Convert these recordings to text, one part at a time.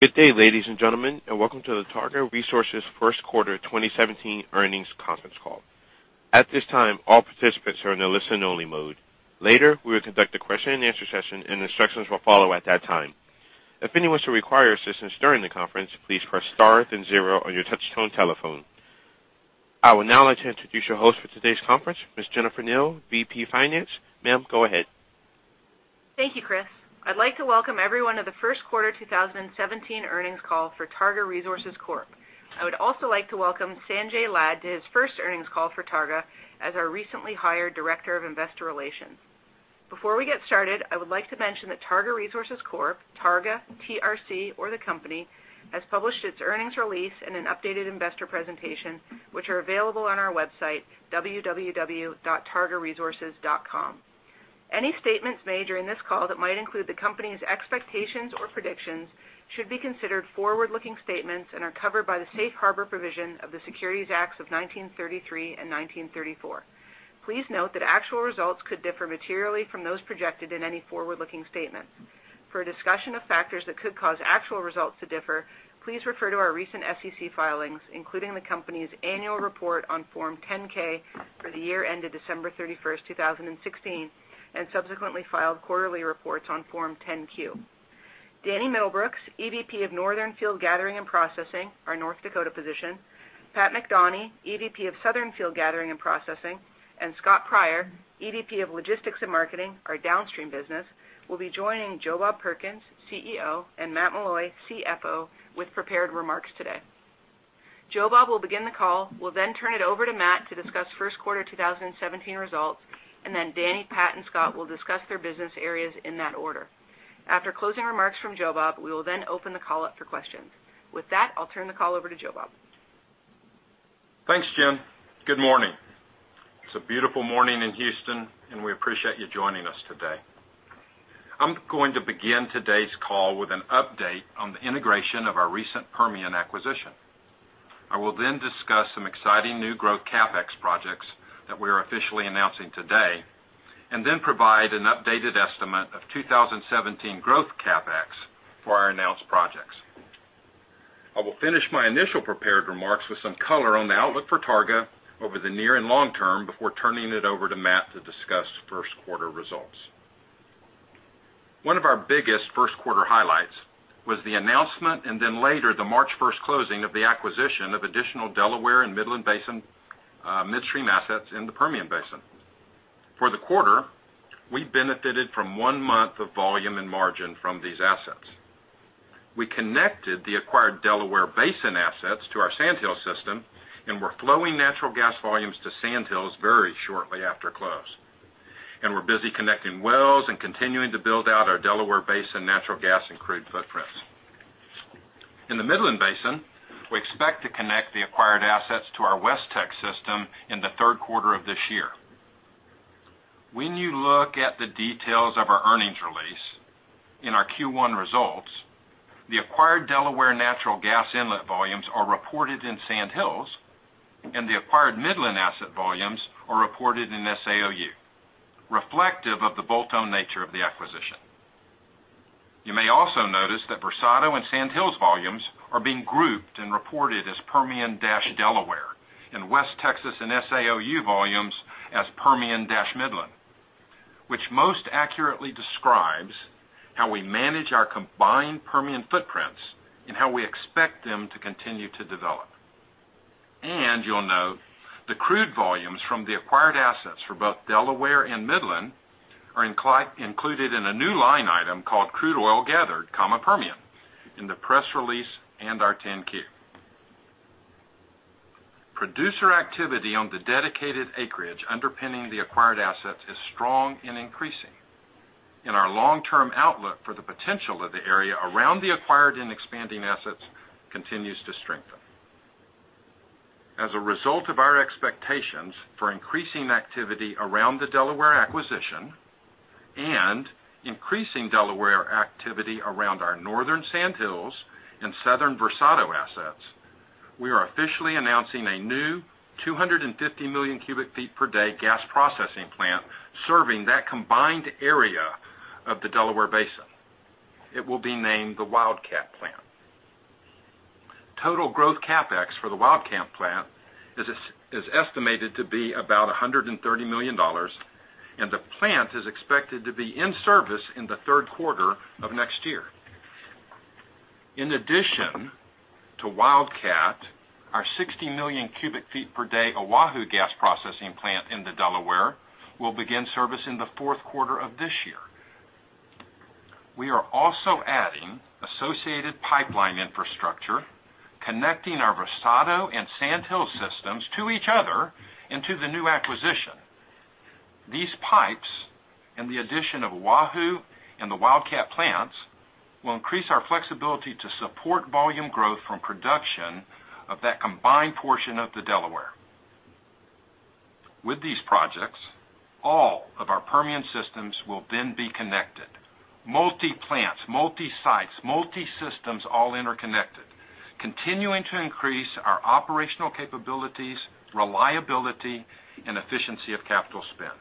Good day, ladies and gentlemen, and welcome to the Targa Resources first quarter 2017 earnings conference call. At this time, all participants are in a listen only mode. Later, we will conduct a question and answer session and instructions will follow at that time. If anyone should require assistance during the conference, please press star then zero on your touchtone telephone. I would now like to introduce your host for today's conference, Ms. Jennifer Kneale, Vice President, Finance. Ma'am, go ahead. Thank you, Chris. I'd like to welcome everyone to the first quarter 2017 earnings call for Targa Resources Corp. I would also like to welcome Sanjay Lad to his first earnings call for Targa as our recently hired Director of Investor Relations. Before we get started, I would like to mention that Targa Resources Corp., Targa, TRC, or the company, has published its earnings release in an updated investor presentation, which are available on our website, www.targaresources.com. Any statements made during this call that might include the company's expectations or predictions should be considered forward-looking statements and are covered by the safe harbor provision of the Securities Act of 1933 and Securities Exchange Act of 1934. Please note that actual results could differ materially from those projected in any forward-looking statements. For a discussion of factors that could cause actual results to differ, please refer to our recent SEC filings, including the company's annual report on Form 10-K for the year ended December 31, 2016, and subsequently filed quarterly reports on Form 10-Q. Danny Middlebrooks, Executive Vice President of Northern Field Gathering and Processing, our North Dakota position, Pat McDonie, Executive Vice President of Southern Field Gathering and Processing, and Scott Pryor, Executive Vice President of Logistics and Marketing, our downstream business, will be joining Joe Bob Perkins, Chief Executive Officer, and Matt Meloy, Chief Financial Officer, with prepared remarks today. Joe Bob will begin the call, will then turn it over to Matt to discuss first quarter 2017 results, and then Danny, Pat, and Scott will discuss their business areas in that order. After closing remarks from Joe Bob, we will then open the call up for questions. With that, I'll turn the call over to Joe Bob. Thanks, Jen. Good morning. It's a beautiful morning in Houston, and we appreciate you joining us today. I'm going to begin today's call with an update on the integration of our recent Permian acquisition. I will then discuss some exciting new growth CapEx projects that we are officially announcing today, and then provide an updated estimate of 2017 growth CapEx for our announced projects. I will finish my initial prepared remarks with some color on the outlook for Targa over the near and long term before turning it over to Matt to discuss first quarter results. One of our biggest first quarter highlights was the announcement, and then later, the March 1st closing of the acquisition of additional Delaware and Midland Basin midstream assets in the Permian Basin. For the quarter, we benefited from one month of volume and margin from these assets. We connected the acquired Delaware Basin assets to our Sand Hills system and were flowing natural gas volumes to Sand Hills very shortly after close. We are busy connecting wells and continuing to build out our Delaware Basin natural gas and crude footprints. In the Midland Basin, we expect to connect the acquired assets to our WestTX system in the third quarter of this year. When you look at the details of our earnings release in our Q1 results, the acquired Delaware natural gas inlet volumes are reported in Sand Hills, and the acquired Midland asset volumes are reported in SAOU, reflective of the bolt-on nature of the acquisition. You may also notice that Versado and Sand Hills volumes are being grouped and reported as Permian-Delaware and West Texas and SAOU volumes as Permian-Midland, which most accurately describes how we manage our combined Permian footprints and how we expect them to continue to develop. You will note the crude volumes from the acquired assets for both Delaware and Midland are included in a new line item called Crude Oil Gathered, Permian in the press release and our 10-Q. Producer activity on the dedicated acreage underpinning the acquired assets is strong and increasing, and our long-term outlook for the potential of the area around the acquired and expanding assets continues to strengthen. As a result of our expectations for increasing activity around the Delaware acquisition and increasing Delaware activity around our northern Sandhills and southern Versado assets, we are officially announcing a new 250 million cubic feet per day gas processing plant serving that combined area of the Delaware Basin. It will be named the Wildcat Plant. Total growth CapEx for the Wildcat Plant is estimated to be about $130 million, and the plant is expected to be in service in the third quarter of next year. In addition to Wildcat, our 60 million cubic feet per day Oahu gas processing plant in the Delaware will begin service in the fourth quarter of this year. We are also adding associated pipeline infrastructure connecting our Versado and Sandhills systems to each other and to the new acquisition. These pipes, and the addition of Oahu and the Wildcat plants, will increase our flexibility to support volume growth from production of that combined portion of the Delaware. With these projects, all of our Permian systems will then be connected. Multi-plants, multi-sites, multi-systems, all interconnected, continuing to increase our operational capabilities, reliability, and efficiency of capital spend.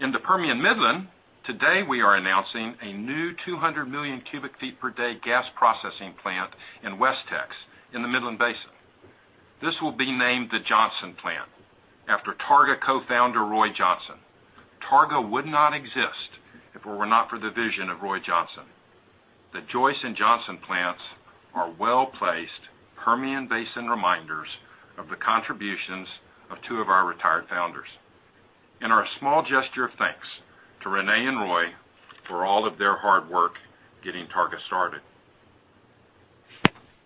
In the Permian Midland, today we are announcing a new 200 million cubic feet per day gas processing plant in WestTX in the Midland Basin. This will be named the Johnson Plant after Targa co-founder Roy Johnson. Targa would not exist if it were not for the vision of Roy Johnson. The Joyce Plant and Johnson Plant are well-placed Permian Basin reminders of the contributions of two of our retired founders and are a small gesture of thanks to Rene and Roy for all of their hard work getting Targa started.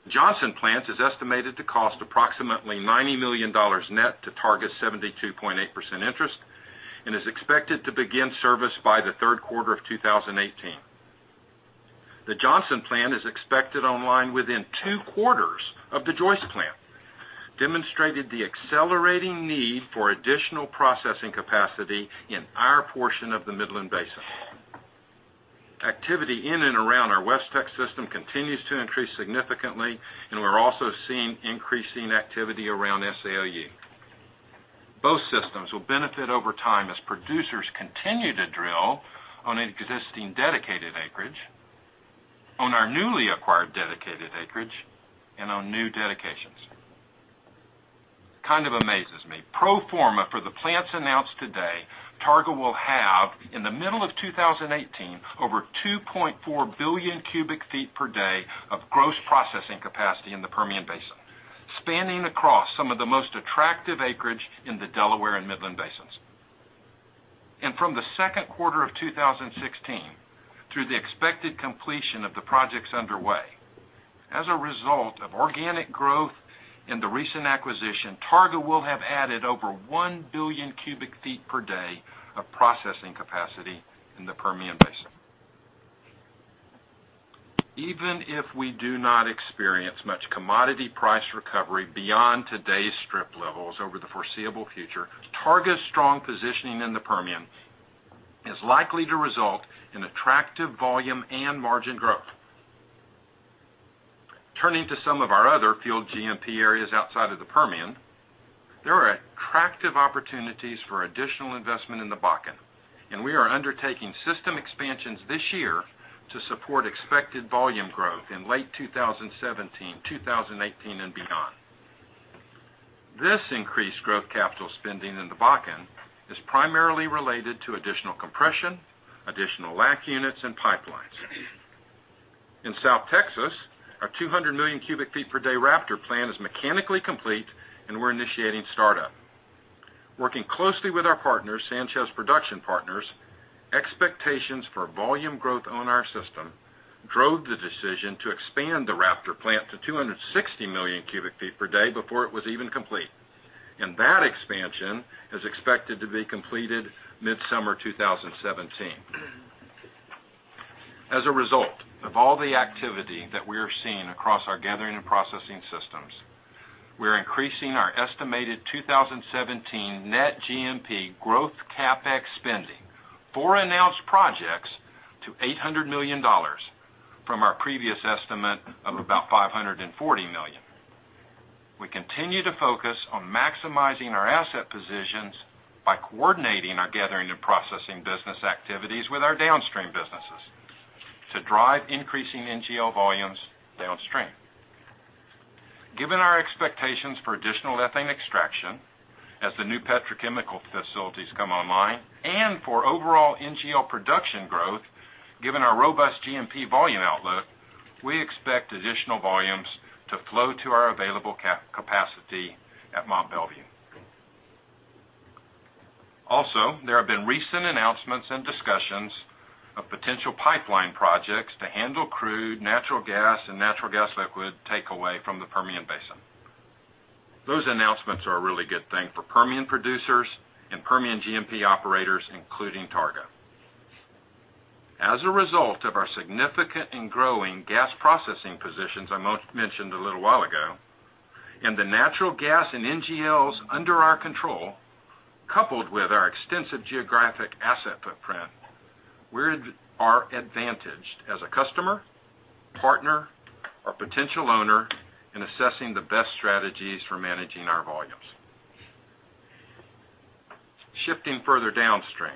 The Johnson Plant is estimated to cost approximately $90 million net to Targa's 72.8% interest and is expected to begin service by the third quarter of 2018. The Johnson Plant is expected online within two quarters of the Joyce Plant, demonstrating the accelerating need for additional processing capacity in our portion of the Midland Basin. Activity in and around our WestTX system continues to increase significantly. We're also seeing increasing activity around SAOU. Both systems will benefit over time as producers continue to drill on existing dedicated acreage, on our newly acquired dedicated acreage, and on new dedications. Kind of amazes me. Pro forma for the plants announced today, Targa will have, in the middle of 2018, over 2.4 billion cubic feet per day of gross processing capacity in the Permian Basin, spanning across some of the most attractive acreage in the Delaware Basin and Midland Basin. From the second quarter of 2016 through the expected completion of the projects underway, as a result of organic growth and the recent acquisition, Targa will have added over 1 billion cubic feet per day of processing capacity in the Permian Basin. Even if we do not experience much commodity price recovery beyond today's strip levels over the foreseeable future, Targa's strong positioning in the Permian is likely to result in attractive volume and margin growth. Turning to some of our other field G&P areas outside of the Permian, there are attractive opportunities for additional investment in the Bakken. We are undertaking system expansions this year to support expected volume growth in late 2017, 2018, and beyond. This increased growth capital spending in the Bakken is primarily related to additional compression, additional LACT units, and pipelines. In South Texas, our 200 million cubic feet per day Raptor plant is mechanically complete. We're initiating startup. Working closely with our partners, Sanchez Production Partners, expectations for volume growth on our system drove the decision to expand the Raptor plant to 260 million cubic feet per day before it was even complete. That expansion is expected to be completed mid-summer 2017. As a result of all the activity that we are seeing across our gathering and processing systems, we're increasing our estimated 2017 net G&P growth CapEx spending for announced projects to $800 million from our previous estimate of about $540 million. We continue to focus on maximizing our asset positions by coordinating our gathering and processing business activities with our downstream businesses to drive increasing NGL volumes downstream. Given our expectations for additional ethane extraction as the new petrochemical facilities come online and for overall NGL production growth, given our robust G&P volume outlook, we expect additional volumes to flow to our available capacity at Mont Belvieu. There have been recent announcements and discussions of potential pipeline projects to handle crude natural gas and natural gas liquid takeaway from the Permian Basin. Those announcements are a really good thing for Permian producers and Permian G&P operators, including Targa. As a result of our significant and growing gas processing positions I mentioned a little while ago, and the natural gas and NGLs under our control, coupled with our extensive geographic asset footprint, we are advantaged as a customer, partner, or potential owner in assessing the best strategies for managing our volumes. Shifting further downstream.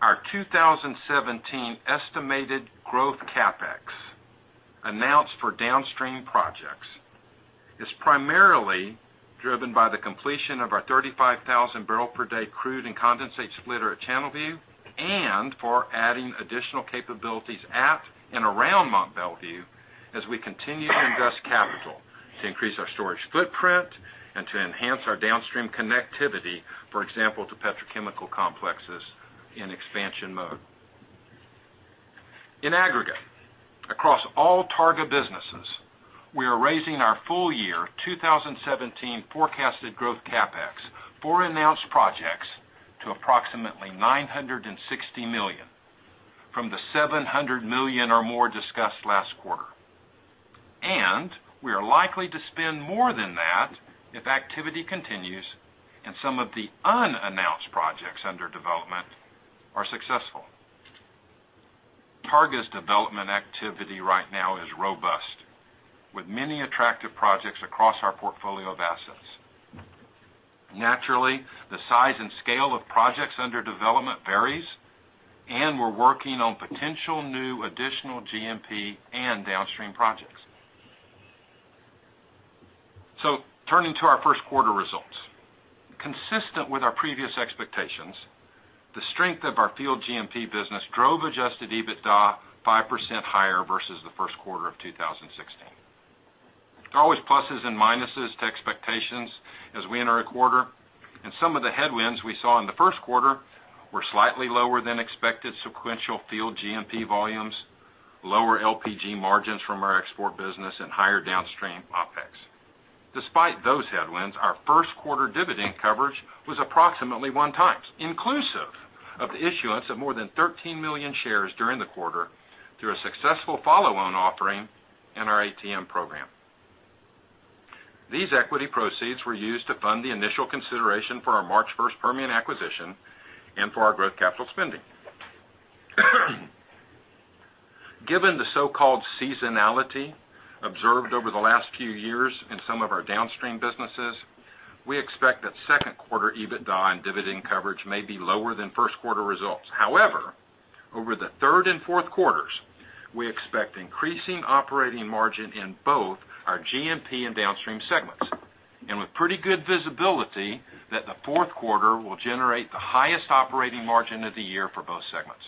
Our 2017 estimated growth CapEx announced for downstream projects is primarily driven by the completion of our 35,000 barrel per day crude and condensate splitter at Channelview and for adding additional capabilities at and around Mont Belvieu as we continue to invest capital to increase our storage footprint and to enhance our downstream connectivity, for example, to petrochemical complexes in expansion mode. In aggregate, across all Targa businesses, we are raising our full year 2017 forecasted growth CapEx for announced projects to approximately $960 million from the $700 million or more discussed last quarter. We are likely to spend more than that if activity continues and some of the unannounced projects under development are successful. Targa's development activity right now is robust, with many attractive projects across our portfolio of assets. Naturally, the size and scale of projects under development varies, we're working on potential new additional G&P and downstream projects. Turning to our first quarter results. Consistent with our previous expectations, the strength of our field G&P business drove adjusted EBITDA 5% higher versus the first quarter of 2016. There are always pluses and minuses to expectations as we enter a quarter. Some of the headwinds we saw in the first quarter were slightly lower than expected sequential field G&P volumes, lower LPG margins from our export business, and higher downstream OpEx. Despite those headwinds, our first quarter dividend coverage was approximately one times, inclusive of the issuance of more than 13 million shares during the quarter through a successful follow-on offering in our ATM program. These equity proceeds were used to fund the initial consideration for our March 1st Permian acquisition and for our growth capital spending. Given the so-called seasonality observed over the last few years in some of our downstream businesses, we expect that second quarter EBITDA and dividend coverage may be lower than first quarter results. Over the third and fourth quarters, we expect increasing operating margin in both our G&P and downstream segments. With pretty good visibility that the fourth quarter will generate the highest operating margin of the year for both segments.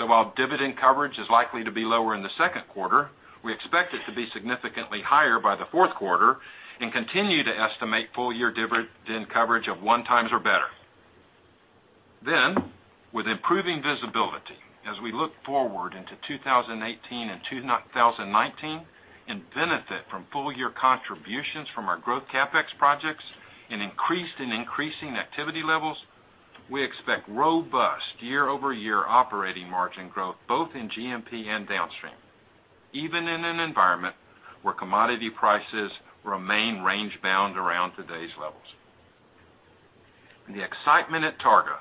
While dividend coverage is likely to be lower in the second quarter, we expect it to be significantly higher by the fourth quarter and continue to estimate full year dividend coverage of one times or better. With improving visibility as we look forward into 2018 and 2019 and benefit from full year contributions from our growth CapEx projects and increasing activity levels, we expect robust year-over-year operating margin growth both in G&P and downstream, even in an environment where commodity prices remain range-bound around today's levels. The excitement at Targa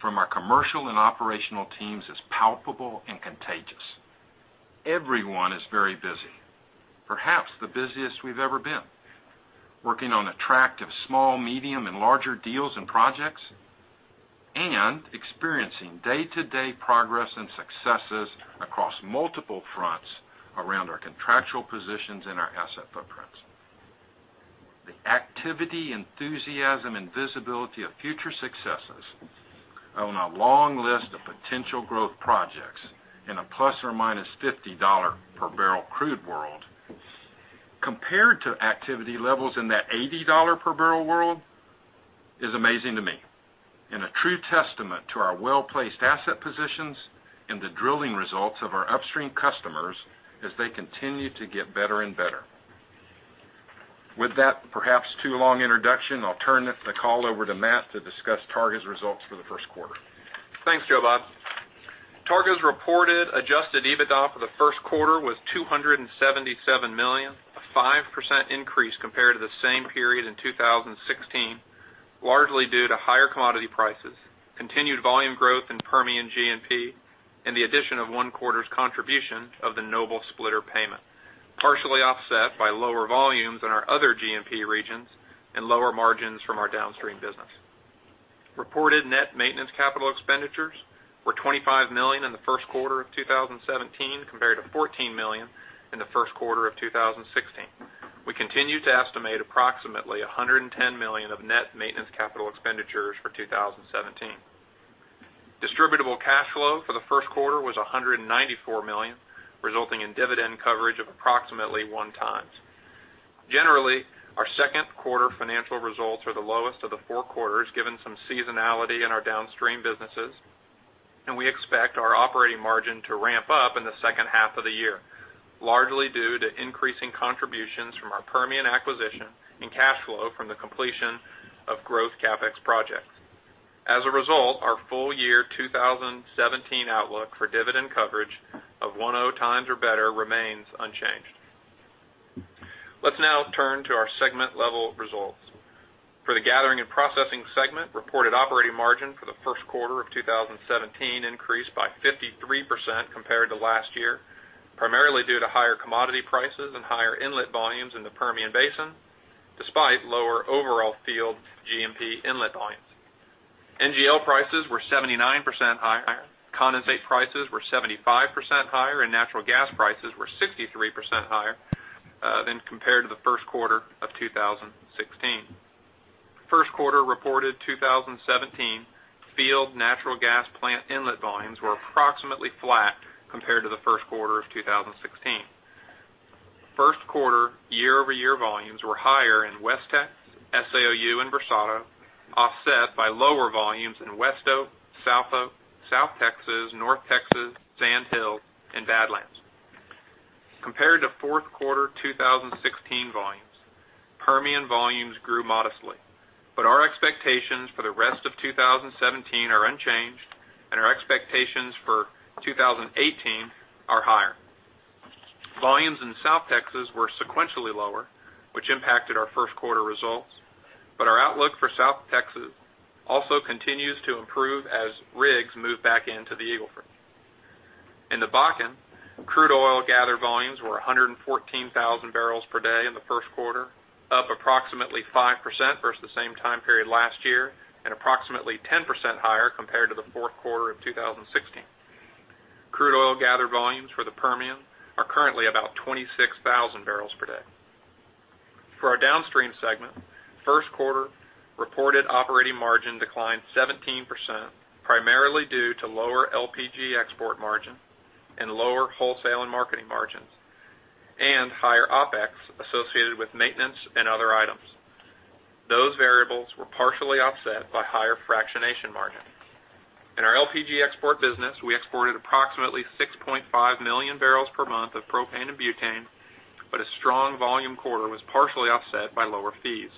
from our commercial and operational teams is palpable and contagious. Everyone is very busy, perhaps the busiest we've ever been, working on attractive small, medium, and larger deals and projects, and experiencing day-to-day progress and successes across multiple fronts around our contractual positions and our asset footprints. The activity, enthusiasm, and visibility of future successes on a long list of potential growth projects in a plus or minus $50 per barrel crude world, compared to activity levels in that $80 per barrel world, is amazing to me and a true testament to our well-placed asset positions and the drilling results of our upstream customers as they continue to get better and better. With that perhaps too long introduction, I'll turn the call over to Matt to discuss Targa's results for the first quarter. Thanks, Joe Bob. Targa's reported adjusted EBITDA for the first quarter was $277 million, a 5% increase compared to the same period in 2016, largely due to higher commodity prices, continued volume growth in Permian G&P, and the addition of one quarter's contribution of the Noble splitter payment, partially offset by lower volumes in our other G&P regions and lower margins from our downstream business. Reported net maintenance capital expenditures were $25 million in the first quarter of 2017, compared to $14 million in the first quarter of 2016. We continue to estimate approximately $110 million of net maintenance capital expenditures for 2017. Distributable cash flow for the first quarter was $194 million, resulting in dividend coverage of approximately one times. Generally, our second quarter financial results are the lowest of the four quarters, given some seasonality in our downstream businesses. We expect our operating margin to ramp up in the second half of the year, largely due to increasing contributions from our Permian acquisition and cash flow from the completion of growth CapEx projects. As a result, our full year 2017 outlook for dividend coverage of 1.0 times or better remains unchanged. Let's now turn to our segment-level results. For the gathering and processing segment, reported operating margin for the first quarter of 2017 increased by 53% compared to last year, primarily due to higher commodity prices and higher inlet volumes in the Permian Basin, despite lower overall field G&P inlet volumes. NGL prices were 79% higher, condensate prices were 75% higher, and natural gas prices were 63% higher than compared to the first quarter of 2016. First quarter reported 2017 field natural gas plant inlet volumes were approximately flat compared to the first quarter of 2016. First quarter year-over-year volumes were higher in WestTX, SAOU, and Versado, offset by lower volumes in WestOK, SouthOK, South Texas, North Texas, Sand Hills, and Badlands. Compared to fourth quarter 2016 volumes, Permian volumes grew modestly, but our expectations for the rest of 2017 are unchanged, and our expectations for 2018 are higher. Volumes in South Texas were sequentially lower, which impacted our first quarter results. Our outlook for South Texas also continues to improve as rigs move back into the Eagle Ford. In the Bakken, crude oil gather volumes were 114,000 barrels per day in the first quarter, up approximately 5% versus the same time period last year, and approximately 10% higher compared to the fourth quarter of 2016. Crude oil gather volumes for the Permian are currently about 26,000 barrels per day. For our downstream segment, first quarter reported operating margin declined 17%, primarily due to lower LPG export margin and lower wholesale and marketing margins, and higher OpEx associated with maintenance and other items. Those variables were partially offset by higher fractionation margin. In our LPG export business, we exported approximately 6.5 million barrels per month of propane and butane, but a strong volume quarter was partially offset by lower fees.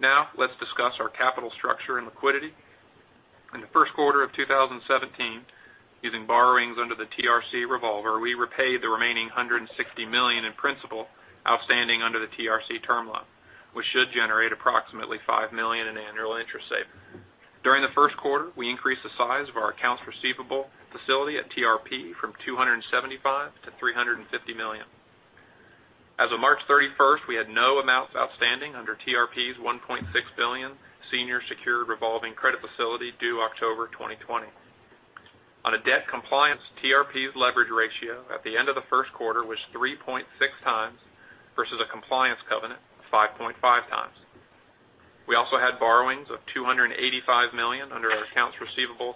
Now, let's discuss our capital structure and liquidity. In the first quarter of 2017, using borrowings under the TRC revolver, we repaid the remaining $160 million in principal outstanding under the TRC term loan, which should generate approximately $5 million in annual interest savings. During the first quarter, we increased the size of our accounts receivable facility at TRP from $275 to $350 million. As of March 31st, we had no amounts outstanding under TRP's $1.6 billion senior secured revolving credit facility due October 2020. On a debt compliance, TRP's leverage ratio at the end of the first quarter was 3.6 times versus a compliance covenant of 5.5 times. We also had borrowings of $285 million under our accounts receivable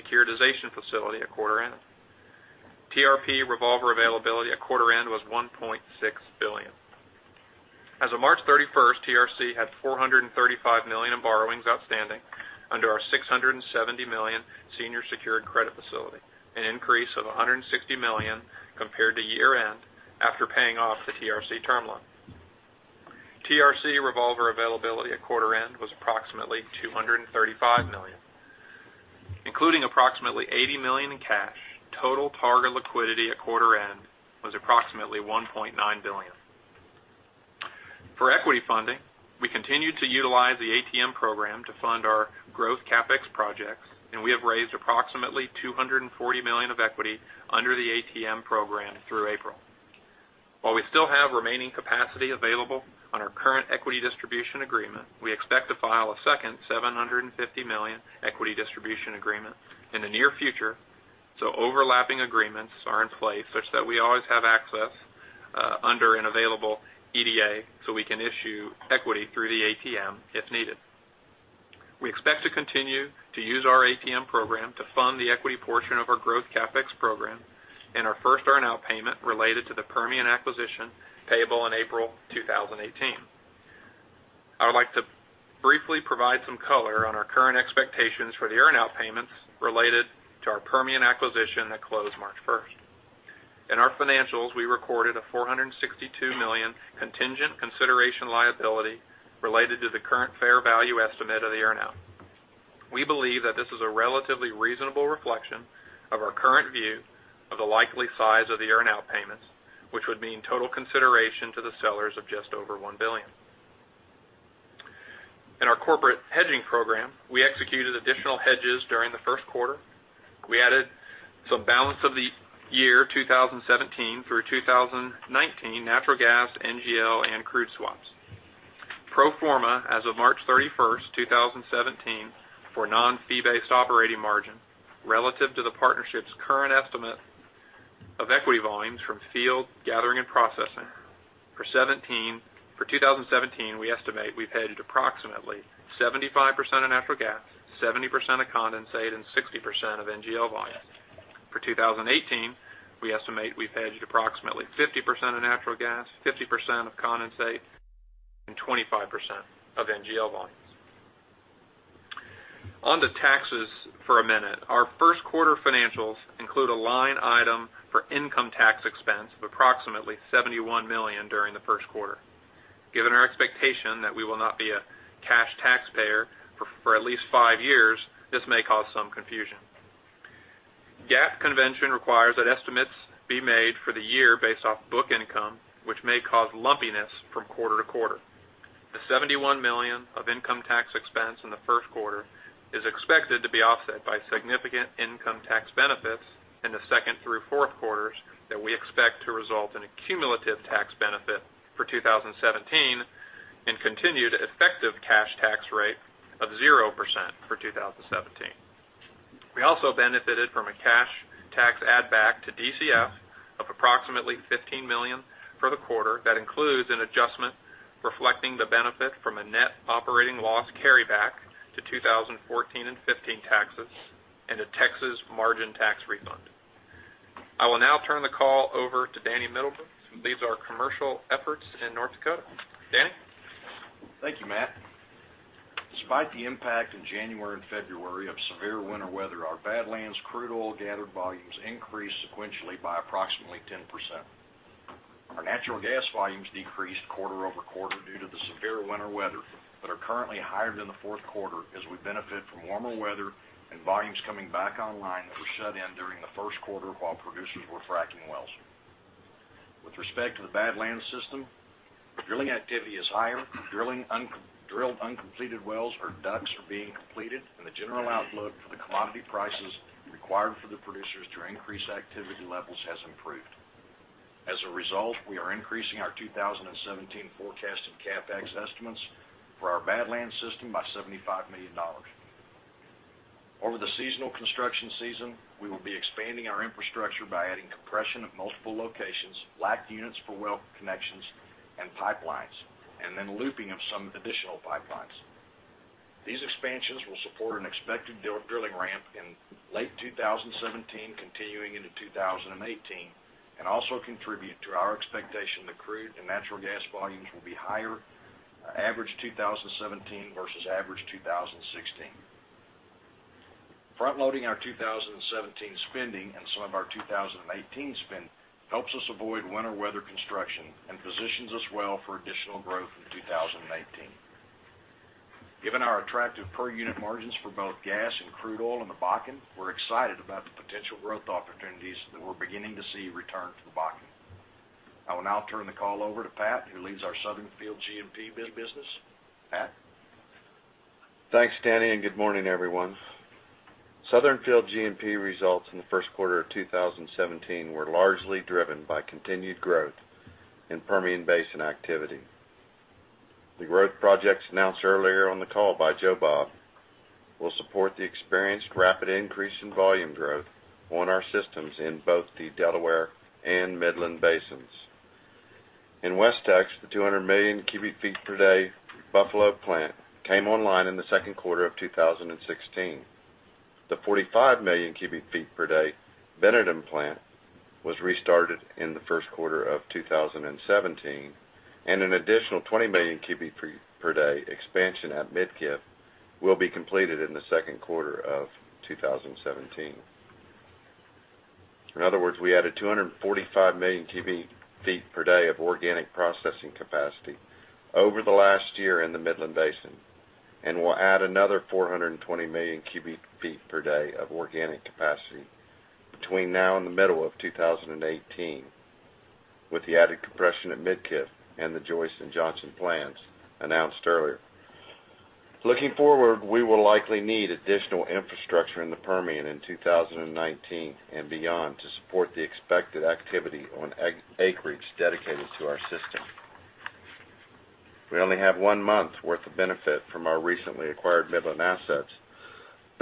securitization facility at quarter end. TRP revolver availability at quarter end was $1.6 billion. As of March 31st, TRC had $435 million in borrowings outstanding under our $670 million senior secured credit facility, an increase of $160 million compared to year-end after paying off the TRC term loan. TRC revolver availability at quarter end was approximately $235 million. Including approximately $80 million in cash, total Targa liquidity at quarter end was approximately $1.9 billion. For equity funding, we continued to utilize the ATM program to fund our growth CapEx projects. We have raised approximately $240 million of equity under the ATM program through April. We still have remaining capacity available on our current equity distribution agreement. We expect to file a second $750 million equity distribution agreement in the near future. Overlapping agreements are in place such that we always have access under an available EDA so we can issue equity through the ATM if needed. We expect to continue to use our ATM program to fund the equity portion of our growth CapEx program and our first earn out payment related to the Permian acquisition payable in April 2018. I would like to briefly provide some color on our current expectations for the earn out payments related to our Permian acquisition that closed March 1st. In our financials, we recorded a $462 million contingent consideration liability related to the current fair value estimate of the earn out. We believe that this is a relatively reasonable reflection of our current view of the likely size of the earn out payments, which would mean total consideration to the sellers of just over $1 billion. In our corporate hedging program, we executed additional hedges during the first quarter. We added some balance of the year 2017 through 2019 natural gas, NGL, and crude swaps. Pro forma as of March 31st, 2017, for non-fee-based operating margin relative to the partnership's current estimate of equity volumes from field gathering and processing for 2017, we estimate we've hedged approximately 75% of natural gas, 70% of condensate, and 60% of NGL volumes. For 2018, we estimate we've hedged approximately 50% of natural gas, 50% of condensate, and 25% of NGL volumes. On to taxes for a minute. Our first quarter financials include a line item for income tax expense of approximately $71 million during the first quarter. Given our expectation that we will not be a cash taxpayer for at least five years, this may cause some confusion. GAAP convention requires that estimates be made for the year based off book income, which may cause lumpiness from quarter to quarter. The $71 million of income tax expense in the first quarter is expected to be offset by significant income tax benefits in the second through fourth quarters that we expect to result in a cumulative tax benefit for 2017 and continued effective cash tax rate of 0% for 2017. We also benefited from a cash tax add back to DCF of approximately $15 million for the quarter. That includes an adjustment reflecting the benefit from a net operating loss carryback to 2014 and 2015 taxes and a Texas margin tax refund. I will now turn the call over to Danny Middlebrooks to lead our commercial efforts in North Dakota. Danny? Thank you, Matt. Despite the impact in January and February of severe winter weather, our Badlands crude oil gathered volumes increased sequentially by approximately 10%. Our natural gas volumes decreased quarter-over-quarter due to the severe winter weather, but are currently higher than the fourth quarter as we benefit from warmer weather and volumes coming back online that were shut in during the first quarter while producers were fracking wells. With respect to the Badlands system, drilling activity is higher. Drilled, uncompleted wells or DUCs are being completed, and the general outlook for the commodity prices required for the producers to increase activity levels has improved. As a result, we are increasing our 2017 forecasted CapEx estimates for our Badlands system by $75 million. Over the seasonal construction season, we will be expanding our infrastructure by adding compression at multiple locations, LACT units for well connections and pipelines, and then looping of some additional pipelines. These expansions will support an expected drilling ramp in late 2017, continuing into 2018, and also contribute to our expectation that crude and natural gas volumes will be higher average 2017 versus average 2016. Front-loading our 2017 spending and some of our 2018 spend helps us avoid winter weather construction and positions us well for additional growth in 2018. Given our attractive per-unit margins for both gas and crude oil in the Bakken, we're excited about the potential growth opportunities that we're beginning to see return to the Bakken. I will now turn the call over to Pat, who leads our Southern Field G&P business. Pat? Thanks, Danny, and good morning, everyone. Southern Field G&P results in the first quarter of 2017 were largely driven by continued growth in Permian Basin activity. The growth projects announced earlier on the call by Joe Bob will support the experienced rapid increase in volume growth on our systems in both the Delaware and Midland Basins. In WestTX, the 200 million cubic feet per day Buffalo Plant came online in the second quarter of 2016. The 45 million cubic feet per day Bennington plant was restarted in the first quarter of 2017, and an additional 20 million cubic feet per day expansion at Midkiff will be completed in the second quarter of 2017. In other words, we added 245 million cubic feet per day of organic processing capacity over the last year in the Midland Basin, and will add another 420 million cubic feet per day of organic capacity between now and the middle of 2018 with the added compression at Midkiff and the Joyce Plant and Johnson Plant announced earlier. Looking forward, we will likely need additional infrastructure in the Permian in 2019 and beyond to support the expected activity on acreage dedicated to our system. We only have one month's worth of benefit from our recently acquired Midland assets,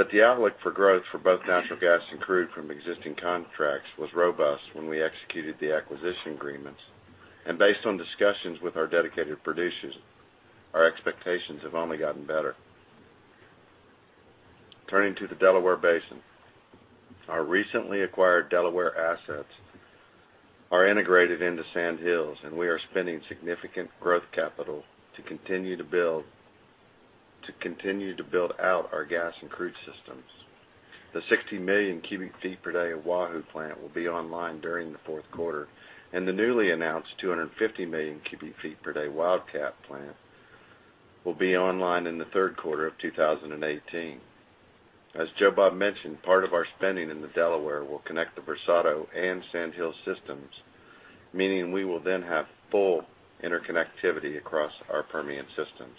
but the outlook for growth for both natural gas and crude from existing contracts was robust when we executed the acquisition agreements. Based on discussions with our dedicated producers, our expectations have only gotten better. Turning to the Delaware Basin. Our recently acquired Delaware assets are integrated into Sandhills, we are spending significant growth capital to continue to build out our gas and crude systems. The 60 million cubic feet per day Wahoo Plant will be online during the fourth quarter, and the newly announced 250 million cubic feet per day Wildcat Plant will be online in the third quarter of 2018. As Joe Bob mentioned, part of our spending in the Delaware will connect the Versado and Sandhills systems, meaning we will then have full interconnectivity across our Permian systems.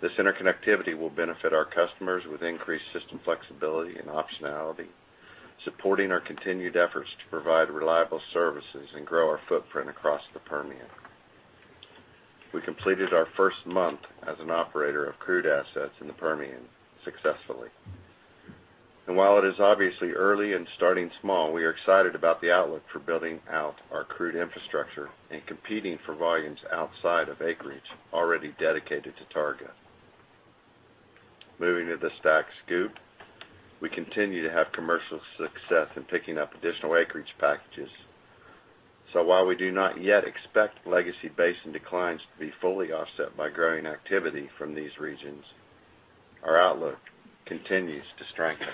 This interconnectivity will benefit our customers with increased system flexibility and optionality, supporting our continued efforts to provide reliable services and grow our footprint across the Permian. We completed our first month as an operator of crude assets in the Permian successfully. While it is obviously early and starting small, we are excited about the outlook for building out our crude infrastructure and competing for volumes outside of acreage already dedicated to Targa. Moving to the STACK/SCOOP. While we do not yet expect legacy basin declines to be fully offset by growing activity from these regions, our outlook continues to strengthen.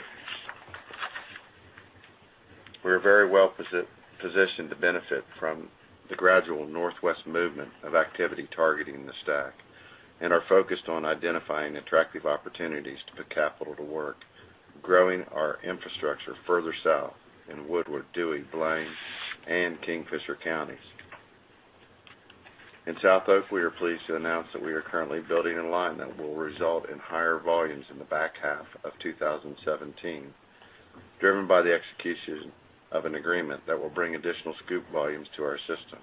We are very well positioned to benefit from the gradual northwest movement of activity targeting the STACK and are focused on identifying attractive opportunities to put capital to work, growing our infrastructure further south in Woodward, Dewey, Blaine, and Kingfisher Counties. In SouthOK, we are pleased to announce that we are currently building a line that will result in higher volumes in the back half of 2017, driven by the execution of an agreement that will bring additional SCOOP volumes to our system.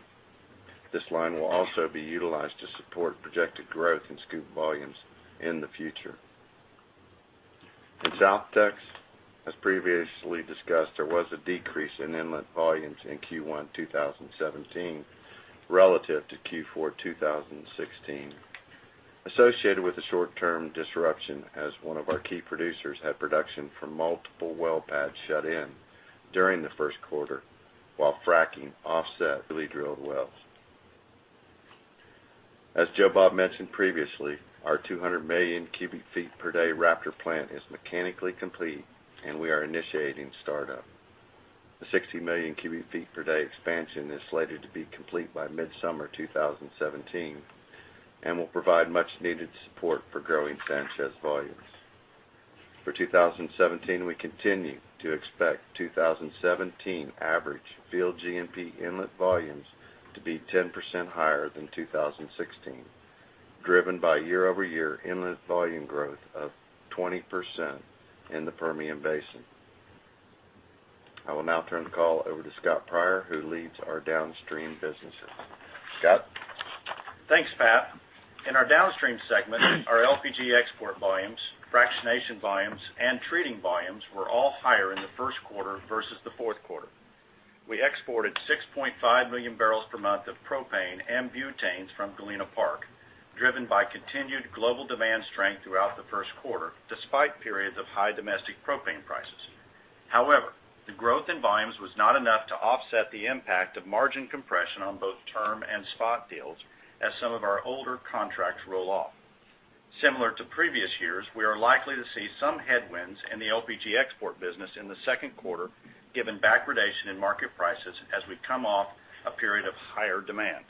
This line will also be utilized to support projected growth in SCOOP volumes in the future. In South Tex, as previously discussed, there was a decrease in inlet volumes in Q1 2017 relative to Q4 2016, associated with a short-term disruption as one of our key producers had production from multiple well pads shut in during the first quarter while fracking offset newly drilled wells. As Joe Bob mentioned previously, our 200 million cubic feet per day Raptor plant is mechanically complete, and we are initiating startup. The 60 million cubic feet per day expansion is slated to be complete by mid-summer 2017 and will provide much needed support for growing Sanchez volumes. For 2017, we continue to expect 2017 average field G&P inlet volumes to be 10% higher than 2016, driven by year-over-year inlet volume growth of 20% in the Permian Basin. I will now turn the call over to Scott Pryor, who leads our downstream businesses. Scott? Thanks, Pat. In our downstream segment, our LPG export volumes, fractionation volumes, and treating volumes were all higher in the first quarter versus the fourth quarter. We exported 6.5 million barrels per month of propane and butanes from Galena Park, driven by continued global demand strength throughout the first quarter, despite periods of high domestic propane prices. The growth in volumes was not enough to offset the impact of margin compression on both term and spot deals as some of our older contracts roll off. Similar to previous years, we are likely to see some headwinds in the LPG export business in the second quarter, given backwardation in market prices as we come off a period of higher demand.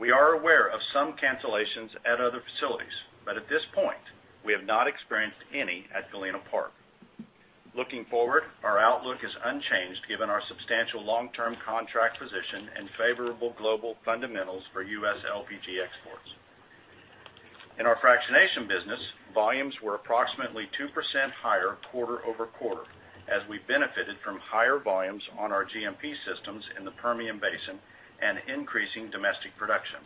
We are aware of some cancellations at other facilities, but at this point, we have not experienced any at Galena Park. Looking forward, our outlook is unchanged given our substantial long-term contract position and favorable global fundamentals for U.S. LPG exports. In our fractionation business, volumes were approximately 2% higher quarter-over-quarter as we benefited from higher volumes on our G&P systems in the Permian Basin and increasing domestic production.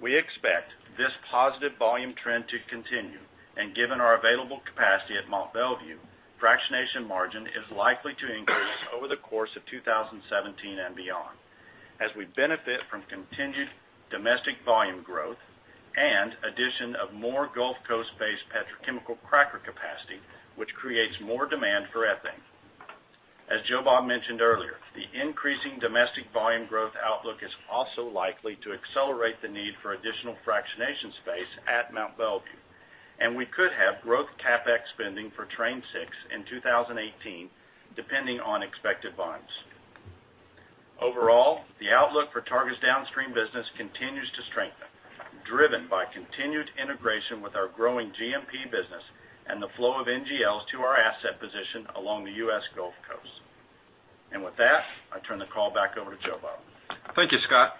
We expect this positive volume trend to continue, and given our available capacity at Mont Belvieu, fractionation margin is likely to increase over the course of 2017 and beyond as we benefit from continued domestic volume growth and addition of more Gulf Coast-based petrochemical cracker capacity, which creates more demand for ethane. As Joe Bob mentioned earlier, the increasing domestic volume growth outlook is also likely to accelerate the need for additional fractionation space at Mont Belvieu, and we could have growth CapEx spending for Train 6 in 2018, depending on expected volumes. Overall, the outlook for Targa's downstream business continues to strengthen, driven by continued integration with our growing G&P business and the flow of NGLs to our asset position along the U.S. Gulf Coast. With that, I turn the call back over to Joe Bob. Thank you, Scott.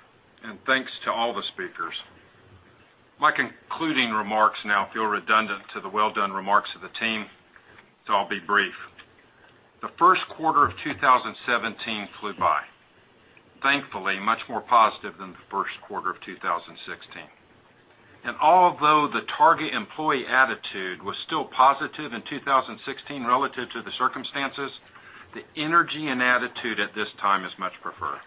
Thanks to all the speakers. My concluding remarks now feel redundant to the well-done remarks of the team, so I'll be brief. The first quarter of 2017 flew by. Thankfully, much more positive than the first quarter of 2016. Although the Targa employee attitude was still positive in 2016 relative to the circumstances, the energy and attitude at this time is much preferred.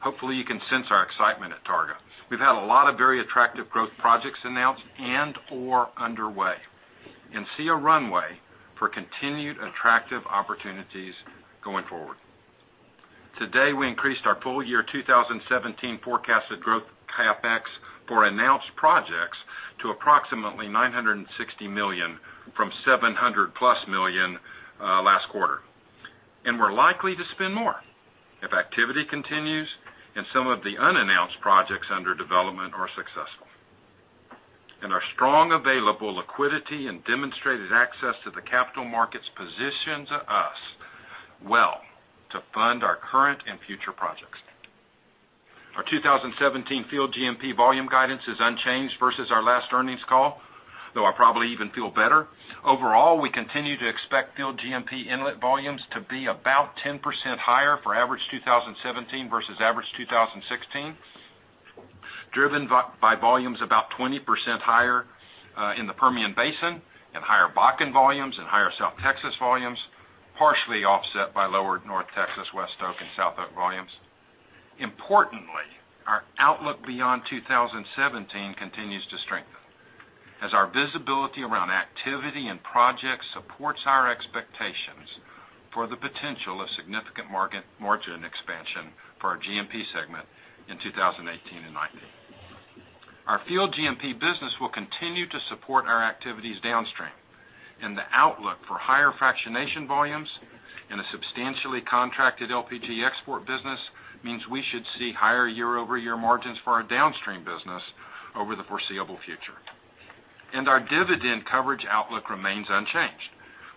Hopefully, you can sense our excitement at Targa. We've had a lot of very attractive growth projects announced and/or underway and see a runway for continued attractive opportunities going forward. Today, we increased our full year 2017 forecasted growth CapEx for announced projects to approximately $960 million from $700-plus million last quarter. We're likely to spend more if activity continues and some of the unannounced projects under development are successful. Our strong available liquidity and demonstrated access to the capital markets positions us well to fund our current and future projects. Our 2017 field G&P volume guidance is unchanged versus our last earnings call, though I probably even feel better. Overall, we continue to expect field G&P inlet volumes to be about 10% higher for average 2017 versus average 2016, driven by volumes about 20% higher in the Permian Basin and higher Bakken volumes and higher South Texas volumes, partially offset by lower North Texas, WestOK, and SouthOK volumes. Importantly, our outlook beyond 2017 continues to strengthen as our visibility around activity and projects supports our expectations for the potential of significant margin expansion for our G&P segment in 2018 and 2019. Our field G&P business will continue to support our activities downstream, and the outlook for higher fractionation volumes and a substantially contracted LPG export business means we should see higher year-over-year margins for our downstream business over the foreseeable future. Our dividend coverage outlook remains unchanged.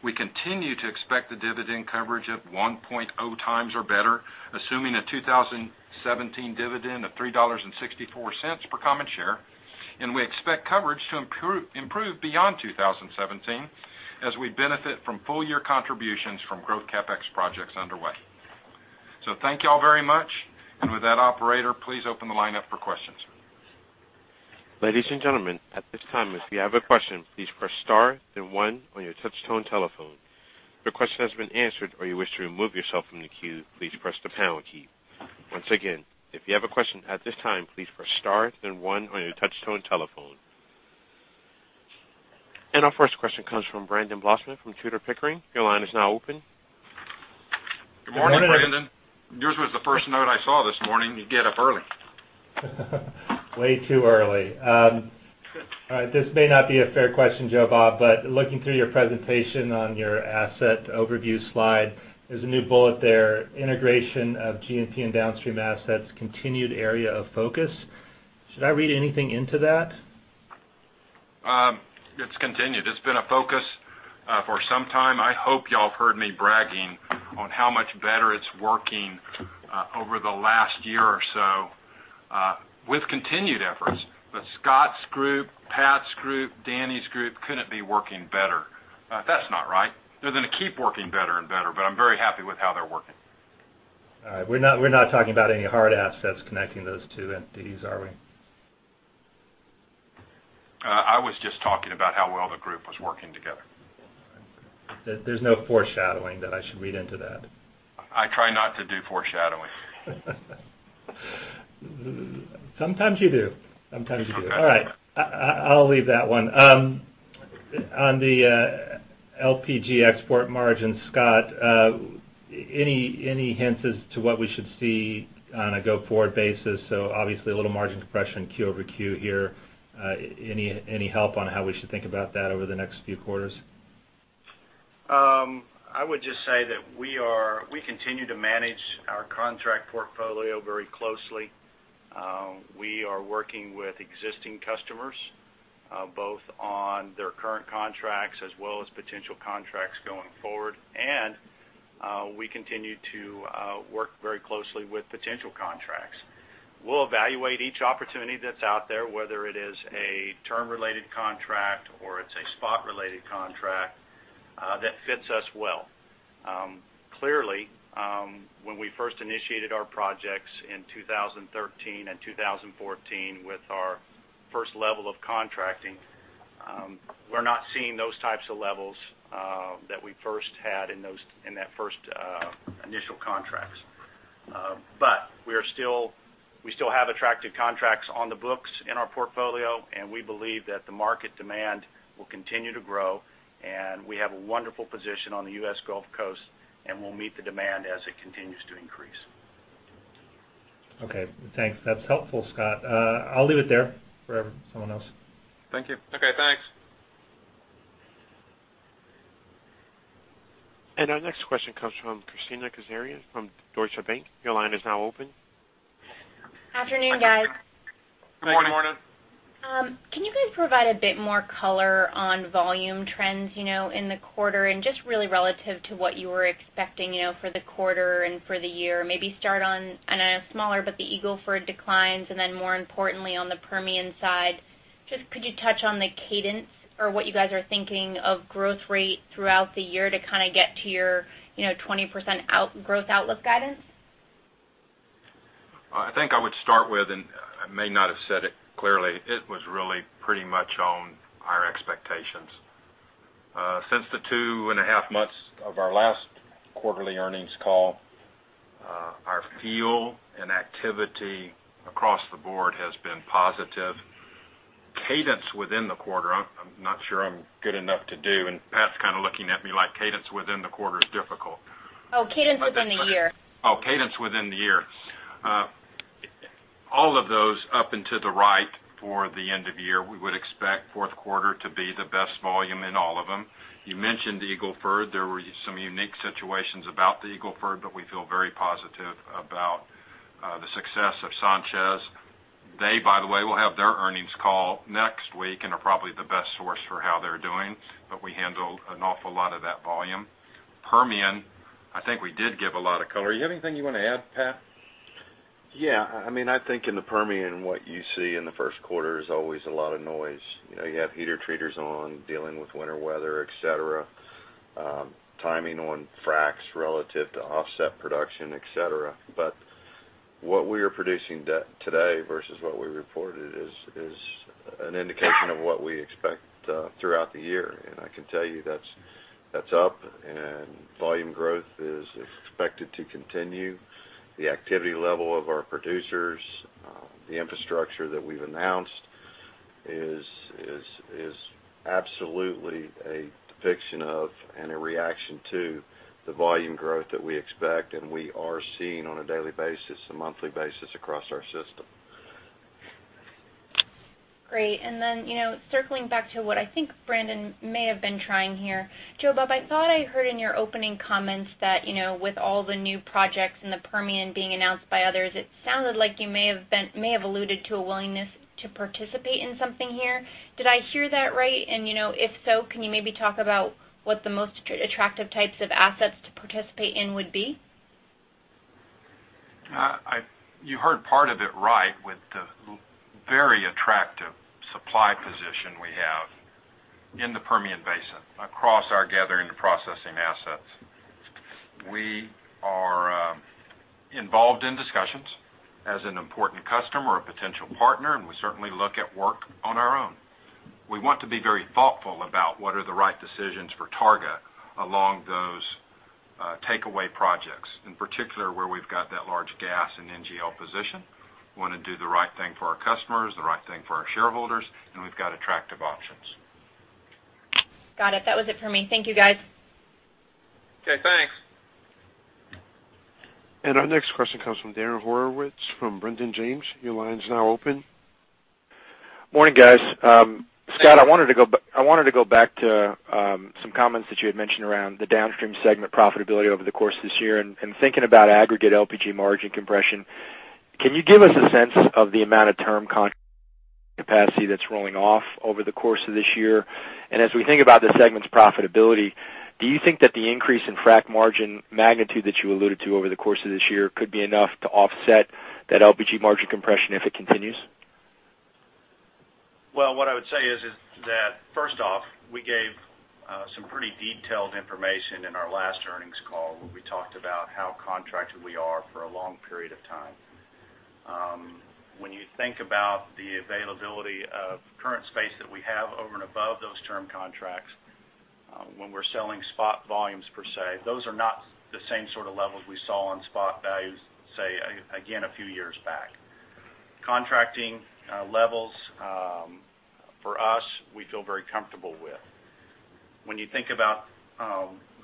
We continue to expect the dividend coverage of 1.0 times or better, assuming a 2017 dividend of $3.64 per common share, and we expect coverage to improve beyond 2017 as we benefit from full-year contributions from growth CapEx projects underway. Thank you all very much. With that, operator, please open the line up for questions. Ladies and gentlemen, at this time, if you have a question, please press star, then one on your touch-tone telephone. If your question has been answered or you wish to remove yourself from the queue, please press the pound key. Once again, if you have a question at this time, please press star, then one on your touch-tone telephone. Our first question comes from Brandon Blossman from Tudor, Pickering. Your line is now open. Good morning, Brandon. Yours was the first note I saw this morning. You get up early. Way too early. All right. This may not be a fair question, Joe Bob, looking through your presentation on your asset overview slide, there's a new bullet there, integration of G&P and downstream assets, continued area of focus. Should I read anything into that? It's continued. It's been a focus for some time. I hope y'all have heard me bragging on how much better it's working over the last year or so with continued efforts. Scott's group, Pat's group, Danny's group couldn't be working better. That's not right. They're going to keep working better and better, but I'm very happy with how they're working. All right. We're not talking about any hard assets connecting those two entities, are we? I was just talking about how well the group was working together. There's no foreshadowing that I should read into that. I try not to do foreshadowing. Sometimes you do. All right. I'll leave that one. On the LPG export margin, Scott, any hints as to what we should see on a go-forward basis? Obviously a little margin compression Q over Q here. Any help on how we should think about that over the next few quarters? I would just say that we continue to manage our contract portfolio very closely. We are working with existing customers, both on their current contracts as well as potential contracts going forward, and we continue to work very closely with potential contracts. We'll evaluate each opportunity that's out there, whether it is a term-related contract or it's a spot-related contract that fits us well. Clearly, when we first initiated our projects in 2013 and 2014 with our first level of contracting, we're not seeing those types of levels that we first had in that first initial contracts. We still have attractive contracts on the books in our portfolio, and we believe that the market demand will continue to grow, and we have a wonderful position on the U.S. Gulf Coast, and we'll meet the demand as it continues to increase. Okay, thanks. That's helpful, Scott. I'll leave it there for someone else. Thank you. Okay, thanks. Our next question comes from Kristina Kazarian from Deutsche Bank. Your line is now open. Afternoon, guys. Good morning. Morning. Can you guys provide a bit more color on volume trends in the quarter and just really relative to what you were expecting for the quarter and for the year? Maybe start on a smaller, but the Eagle Ford declines, then more importantly on the Permian side. Could you touch on the cadence or what you guys are thinking of growth rate throughout the year to kind of get to your 20% growth outlook guidance? I think I would start with, and I may not have said it clearly, it was really pretty much on our expectations. Since the two and a half months of our last quarterly earnings call, our feel and activity across the board has been positive. Cadence within the quarter, I'm not sure I'm good enough to do, and Pat's kind of looking at me like cadence within the quarter is difficult. Cadence within the year. Cadence within the year. All of those up and to the right for the end of year. We would expect fourth quarter to be the best volume in all of them. You mentioned Eagle Ford. There were some unique situations about the Eagle Ford, we feel very positive about the success of Sanchez. They, by the way, will have their earnings call next week and are probably the best source for how they're doing. We handled an awful lot of that volume. Permian, I think we did give a lot of color. You have anything you want to add, Pat? Yeah. I think in the Permian, what you see in the first quarter is always a lot of noise. You have heater treaters on dealing with winter weather, et cetera. Timing on fracs relative to offset production, et cetera. What we are producing today versus what we reported is an indication of what we expect throughout the year. I can tell you that's up, and volume growth is expected to continue. The activity level of our producers, the infrastructure that we've announced is absolutely a depiction of and a reaction to the volume growth that we expect and we are seeing on a daily basis, a monthly basis across our system. Great. Circling back to what I think Brandon may have been trying here. Joe Bob, I thought I heard in your opening comments that with all the new projects in the Permian being announced by others, it sounded like you may have alluded to a willingness to participate in something here. Did I hear that right? If so, can you maybe talk about what the most attractive types of assets to participate in would be? You heard part of it right with the very attractive supply position we have in the Permian Basin across our gathering to processing assets. We are involved in discussions as an important customer or potential partner, we certainly look at work on our own. We want to be very thoughtful about what are the right decisions for Targa along those Takeaway projects, in particular, where we've got that large gas and NGL position. We want to do the right thing for our customers, the right thing for our shareholders, we've got attractive options. Got it. That was it for me. Thank you, guys. Okay, thanks. Our next question comes from Darren Horowitz from Raymond James. Your line is now open. Morning, guys. Scott, I wanted to go back to some comments that you had mentioned around the downstream segment profitability over the course of this year. And thinking about aggregate LPG margin compression, can you give us a sense of the amount of term contract capacity that's rolling off over the course of this year? And as we think about the segment's profitability, do you think that the increase in frack margin magnitude that you alluded to over the course of this year could be enough to offset that LPG margin compression if it continues? Well, what I would say is that, first off, we gave some pretty detailed information in our last earnings call where we talked about how contracted we are for a long period of time. When you think about the availability of current space that we have over and above those term contracts, when we're selling spot volumes per se, those are not the same sort of levels we saw on spot values, say, again, a few years back. Contracting levels, for us, we feel very comfortable with. When you think about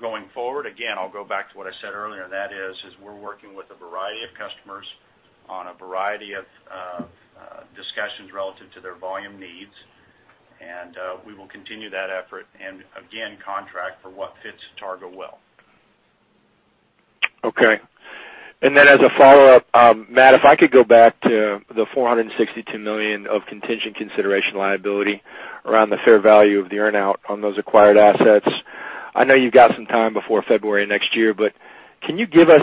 going forward, again, I'll go back to what I said earlier, and that is we're working with a variety of customers on a variety of discussions relative to their volume needs, we will continue that effort and again, contract for what fits Targa well. Okay. As a follow-up, Matt, if I could go back to the $462 million of contingent consideration liability around the fair value of the earn-out on those acquired assets. I know you've got some time before February next year, can you give us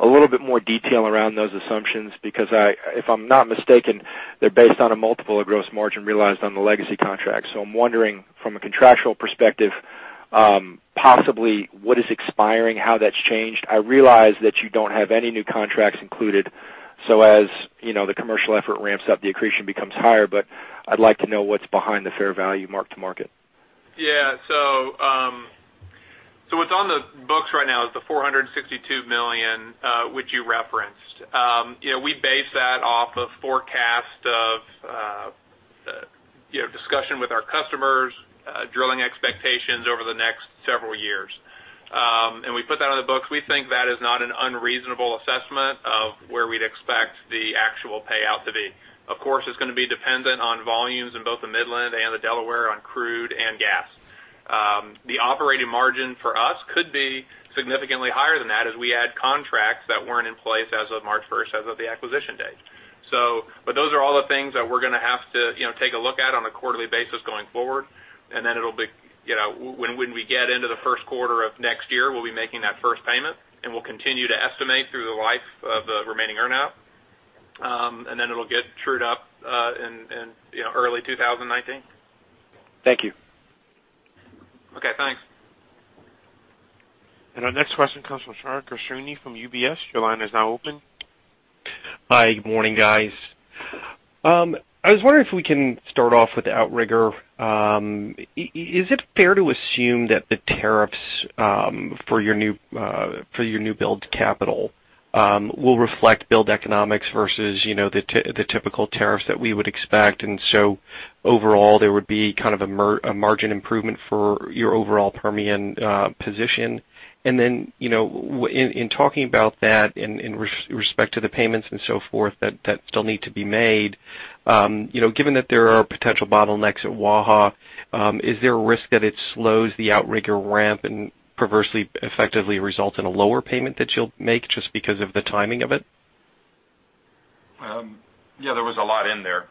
a little bit more detail around those assumptions? Because if I'm not mistaken, they're based on a multiple of gross margin realized on the legacy contract. I'm wondering from a contractual perspective, possibly what is expiring, how that's changed. I realize that you don't have any new contracts included, as the commercial effort ramps up, the accretion becomes higher. I'd like to know what's behind the fair value mark to market. Yeah. What's on the books right now is the $462 million which you referenced. We base that off of forecast of discussion with our customers, drilling expectations over the next several years. We put that on the books. We think that is not an unreasonable assessment of where we'd expect the actual payout to be. Of course, it's going to be dependent on volumes in both the Midland and the Delaware on crude and gas. The operating margin for us could be significantly higher than that as we add contracts that weren't in place as of March 1st, as of the acquisition date. Those are all the things that we're going to have to take a look at on a quarterly basis going forward. When we get into the first quarter of next year, we'll be making that first payment, and we'll continue to estimate through the life of the remaining earn-out. It'll get trued up in early 2019. Thank you. Okay, thanks. Our next question comes from Shneur Gershuni from UBS. Your line is now open. Hi. Good morning, guys. I was wondering if we can start off with Outrigger. Is it fair to assume that the tariffs for your new build capital will reflect build economics versus the typical tariffs that we would expect, and so overall, there would be kind of a margin improvement for your overall Permian position? Then, in talking about that in respect to the payments and so forth that still need to be made, given that there are potential bottlenecks at Waha, is there a risk that it slows the Outrigger ramp and perversely effectively results in a lower payment that you'll make just because of the timing of it? There was a lot in there.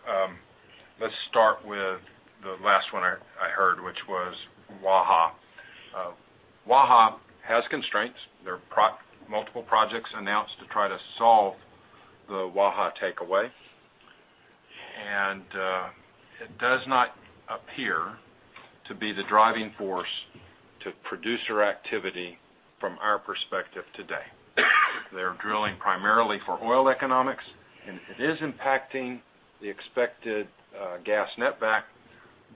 Let's start with the last one I heard, which was Waha. Waha has constraints. There are multiple projects announced to try to solve the Waha takeaway, it does not appear to be the driving force to producer activity from our perspective today. They're drilling primarily for oil economics, it is impacting the expected gas net back,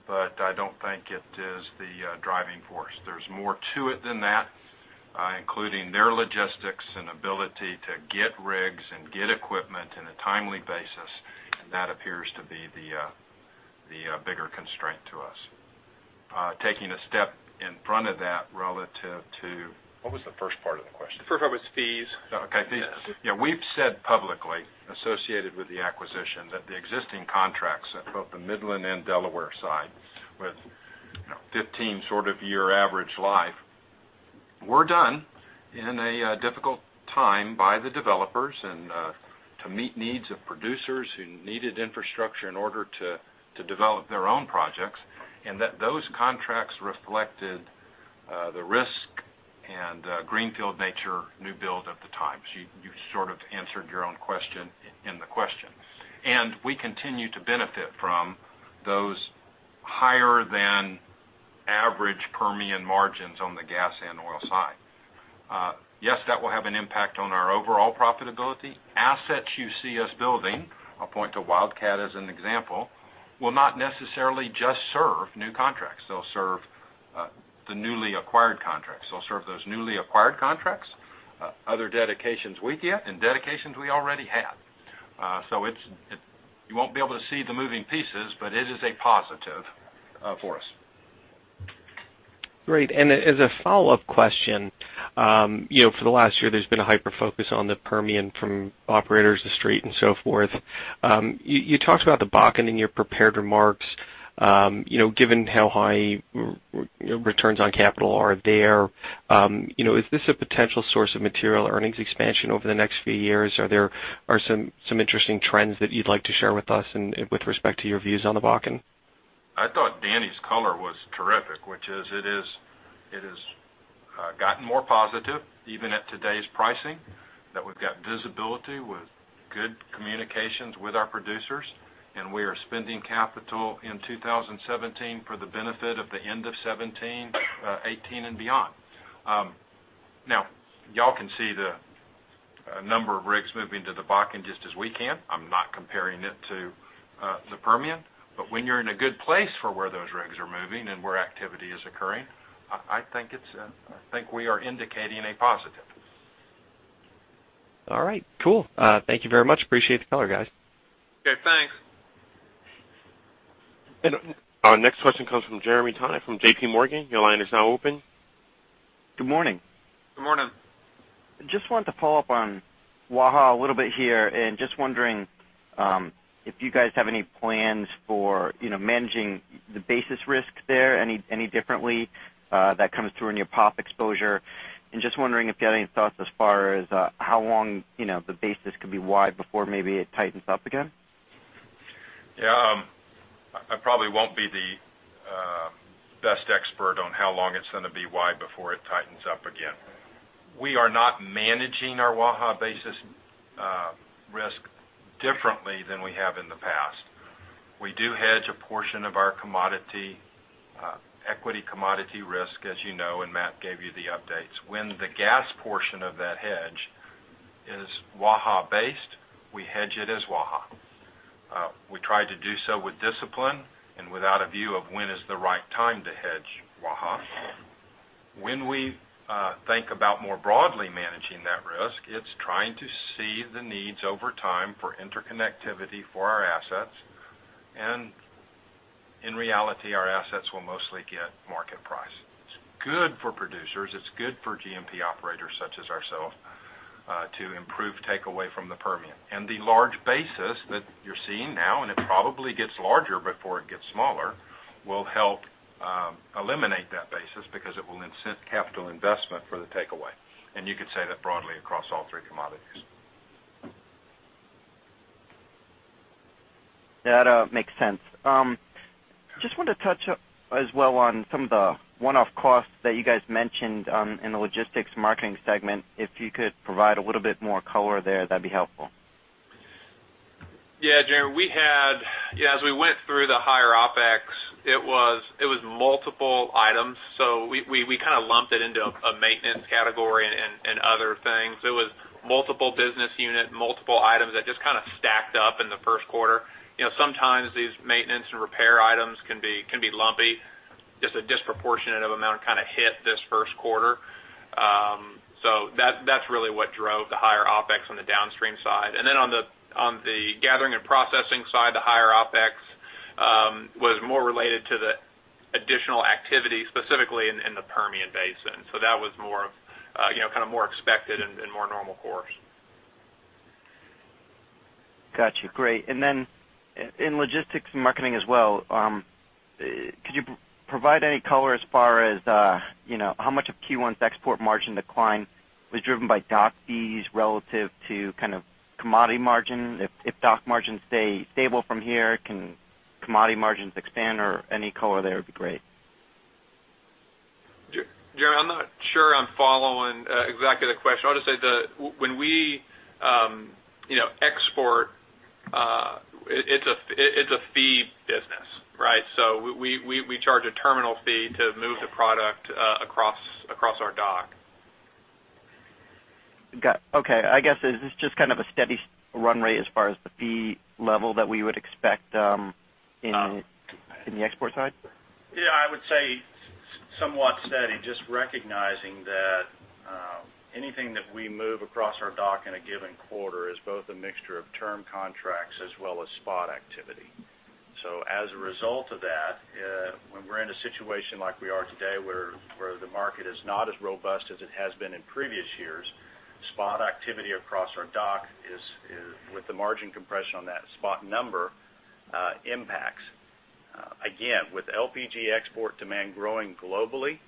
I don't think it is the driving force. There's more to it than that, including their logistics and ability to get rigs and get equipment in a timely basis. That appears to be the bigger constraint to us. Taking a step in front of that. What was the first part of the question? The first part was fees. Fees. We've said publicly, associated with the acquisition, that the existing contracts at both the Midland and Delaware side, with 15 sort of year average life, were done in a difficult time by the developers and to meet needs of producers who needed infrastructure in order to develop their own projects, that those contracts reflected the risk and greenfield nature new build at the time. You sort of answered your own question in the question. We continue to benefit from those higher than average Permian margins on the gas and oil side. Yes, that will have an impact on our overall profitability. Assets you see us building, I'll point to Wildcat as an example, will not necessarily just serve new contracts. They'll serve the newly acquired contracts. Other dedications we get. dedications we already have. You won't be able to see the moving pieces, but it is a positive for us. Great. As a follow-up question, for the last year, there's been a hyper-focus on the Permian from operators, The Street, and so forth. You talked about the Bakken in your prepared remarks. Given how high returns on capital are there, is this a potential source of material earnings expansion over the next few years? Are there some interesting trends that you'd like to share with us with respect to your views on the Bakken? I thought Danny's color was terrific, which is it has gotten more positive even at today's pricing, that we've got visibility with good communications with our producers, and we are spending capital in 2017 for the benefit of the end of 2017, 2018, and beyond. Y'all can see the number of rigs moving to the Bakken just as we can. I'm not comparing it to the Permian. When you're in a good place for where those rigs are moving and where activity is occurring, I think we are indicating a positive. All right, cool. Thank you very much. Appreciate the color, guys. Okay, thanks. Our next question comes from Jeremy Tonet from J.P. Morgan. Your line is now open. Good morning. Good morning. Just wanted to follow up on Waha a little bit here, wondering if you guys have any plans for managing the basis risk there any differently that comes through in your POP exposure. Just wondering if you have any thoughts as far as how long the basis could be wide before maybe it tightens up again. Yeah. I probably won't be the best expert on how long it's going to be wide before it tightens up again. We are not managing our Waha basis risk differently than we have in the past. We do hedge a portion of our equity commodity risk, as you know, and Matt gave you the updates. When the gas portion of that hedge is Waha based, we hedge it as Waha. We try to do so with discipline and without a view of when is the right time to hedge Waha. When we think about more broadly managing that risk, it's trying to see the needs over time for interconnectivity for our assets, and in reality, our assets will mostly get market price. It's good for producers. It's good for G&P operators such as ourselves to improve takeaway from the Permian. The large basis that you're seeing now, and it probably gets larger before it gets smaller, will help eliminate that basis because it will incent capital investment for the takeaway. You could say that broadly across all three commodities. That makes sense. Just wanted to touch as well on some of the one-off costs that you guys mentioned in the Logistics and Marketing segment. If you could provide a little bit more color there, that'd be helpful. Yeah, Jeremy. As we went through the higher OpEx, it was multiple items. We kind of lumped it into a maintenance category and other things. It was multiple business unit, multiple items that just kind of stacked up in the first quarter. Sometimes these maintenance and repair items can be lumpy. Just a disproportionate amount kind of hit this first quarter. That's really what drove the higher OpEx on the downstream side. On the Gathering and Processing side, the higher OpEx was more related to the additional activity specifically in the Permian Basin. That was more expected and more normal course. Got you. Great. In Logistics and Marketing as well, could you provide any color as far as how much of Q1's export margin decline was driven by dock fees relative to kind of commodity margin? If dock margins stay stable from here, can commodity margins expand or any color there would be great. Jeremy, I'm not sure I'm following exactly the question. I'll just say that when we export, it's a fee business, right? We charge a terminal fee to move the product across our dock. Got it. Okay. I guess, is this just kind of a steady run rate as far as the fee level that we would expect in the export side? Yeah, I would say somewhat steady, just recognizing that anything that we move across our dock in a given quarter is both a mixture of term contracts as well as spot activity. As a result of that, when we're in a situation like we are today where the market is not as robust as it has been in previous years, spot activity across our dock with the margin compression on that spot number impacts. Again, with LPG export demand growing globally,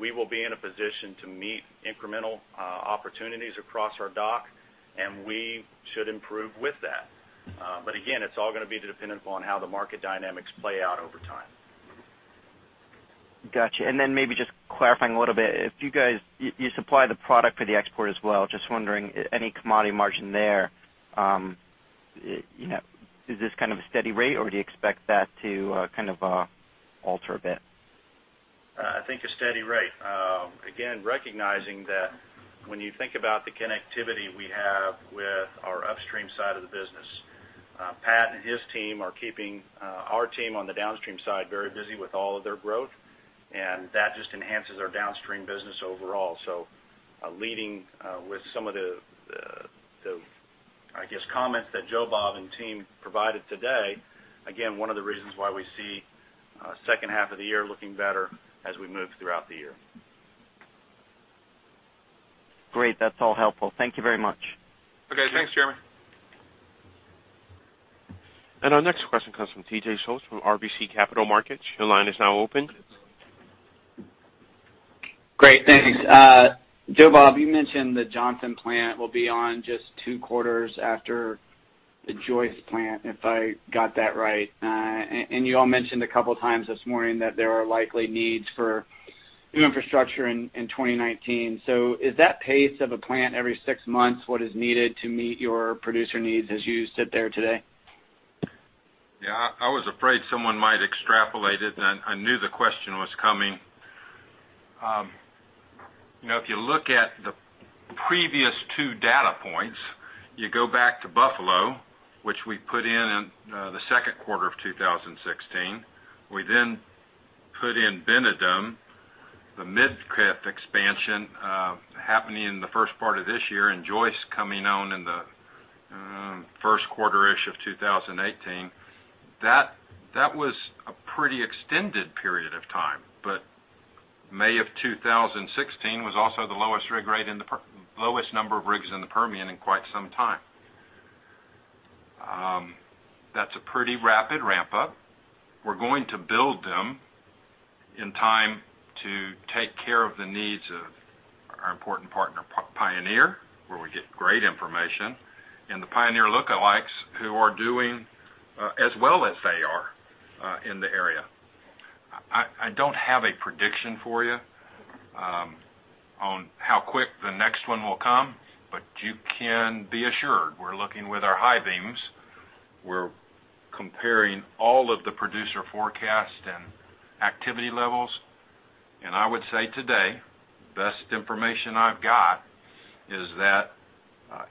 we will be in a position to meet incremental opportunities across our dock, and we should improve with that. Again, it's all going to be dependent upon how the market dynamics play out over time. Got you. Maybe just clarifying a little bit. You supply the product for the export as well. Just wondering any commodity margin there, is this kind of a steady rate, or do you expect that to kind of alter a bit? I think a steady rate. Again, recognizing that when you think about the connectivity we have with our upstream side of the business Pat and his team are keeping our team on the downstream side very busy with all of their growth, and that just enhances our downstream business overall. Leading with some of the, I guess, comments that Joe Bob and team provided today, again, one of the reasons why we see second half of the year looking better as we move throughout the year. Great. That's all helpful. Thank you very much. Okay. Thanks, Jeremy. Our next question comes from T.J. Schultz from RBC Capital Markets. Your line is now open. Great, thanks. Joe Bob, you mentioned the Johnson plant will be on just two quarters after the Joyce plant, if I got that right. You all mentioned a couple times this morning that there are likely needs for new infrastructure in 2019. Is that pace of a plant every six months, what is needed to meet your producer needs as you sit there today? Yeah, I was afraid someone might extrapolate it. I knew the question was coming. If you look at the previous two data points, you go back to Buffalo, which we put in the second quarter of 2016. We put in Bennington, the Mid-Crest expansion happening in the first part of this year, and Joyce coming on in the first quarter-ish of 2018. That was a pretty extended period of time. May of 2016 was also the lowest number of rigs in the Permian in quite some time. That's a pretty rapid ramp-up. We're going to build them in time to take care of the needs of our important partner, Pioneer, where we get great information, and the Pioneer lookalikes who are doing as well as they are in the area. I don't have a prediction for you on how quick the next one will come, but you can be assured we're looking with our high beams. We're comparing all of the producer forecast and activity levels, and I would say today, best information I've got is that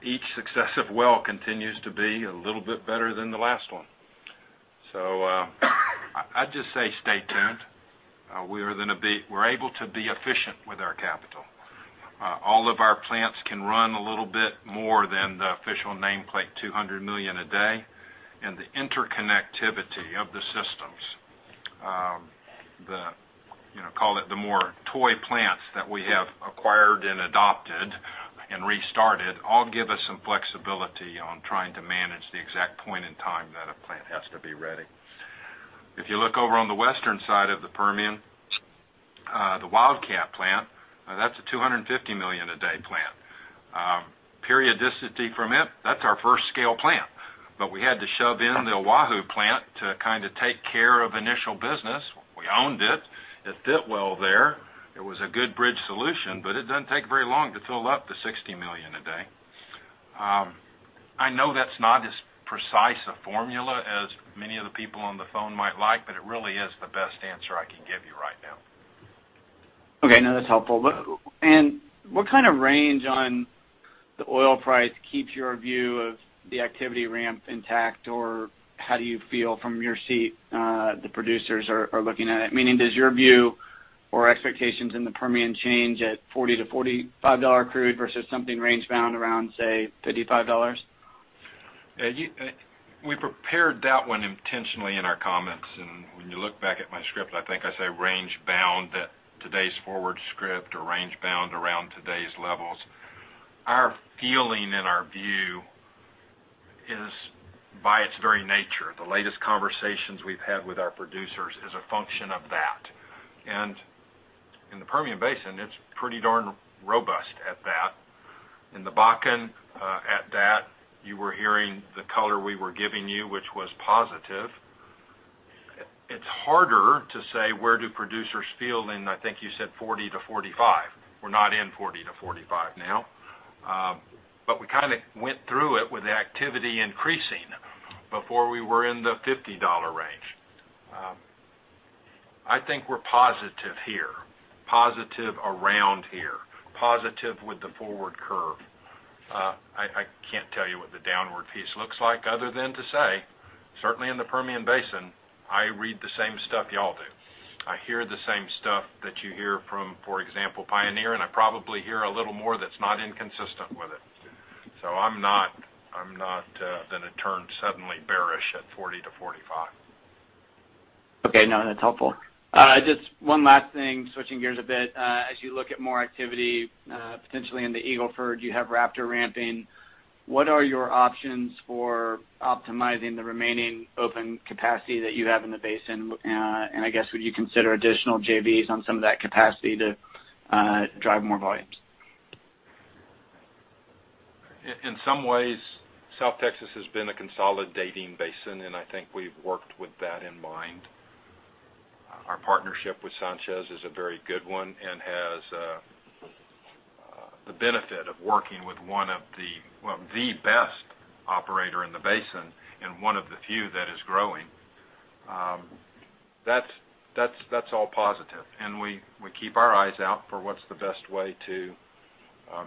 each successive well continues to be a little bit better than the last one. I'd just say stay tuned. We're able to be efficient with our capital. All of our plants can run a little bit more than the official nameplate, $200 million a day. The interconnectivity of the systems, call it the more toy plants that we have acquired and adopted and restarted, all give us some flexibility on trying to manage the exact point in time that a plant has to be ready. If you look over on the western side of the Permian, the Wildcat Plant, that's a $250 million-a-day plant. Periodicity from it. That's our first scale plant. We had to shove in the Wahoo plant to kind of take care of initial business. We owned it. It fit well there. It was a good bridge solution, but it doesn't take very long to fill up to $60 million a day. I know that's not as precise a formula as many of the people on the phone might like, but it really is the best answer I can give you right now. Okay. No, that's helpful. What kind of range on the oil price keeps your view of the activity ramp intact, or how do you feel from your seat the producers are looking at it? Meaning, does your view or expectations in the Permian change at $40-$45 crude versus something range bound around, say, $55? We prepared that one intentionally in our comments, and when you look back at my script, I think I say range bound at today's forward script or range bound around today's levels. Our feeling and our view is by its very nature. The latest conversations we've had with our producers is a function of that. In the Permian Basin, it's pretty darn robust at that. In the Bakken, at that, you were hearing the color we were giving you, which was positive. It's harder to say, where do producers feel in, I think you said $40 to $45. We're not in $40 to $45 now. But we kind of went through it with the activity increasing before we were in the $50 range. I think we're positive here, positive around here, positive with the forward curve. I can't tell you what the downward piece looks like other than to say, certainly in the Permian Basin, I read the same stuff y'all do. I hear the same stuff that you hear from, for example, Pioneer. I probably hear a little more that's not inconsistent with it. I'm not going to turn suddenly bearish at $40 to $45. Okay. No, that's helpful. Just one last thing, switching gears a bit. As you look at more activity potentially in the Eagle Ford, you have Raptor ramping. What are your options for optimizing the remaining open capacity that you have in the basin? And I guess, would you consider additional JVs on some of that capacity to drive more volumes? In some ways, South Texas has been a consolidating basin, and I think we've worked with that in mind. Our partnership with Sanchez is a very good one and has the benefit of working with the best operator in the basin and one of the few that is growing. That's all positive. We keep our eyes out for what's the best way to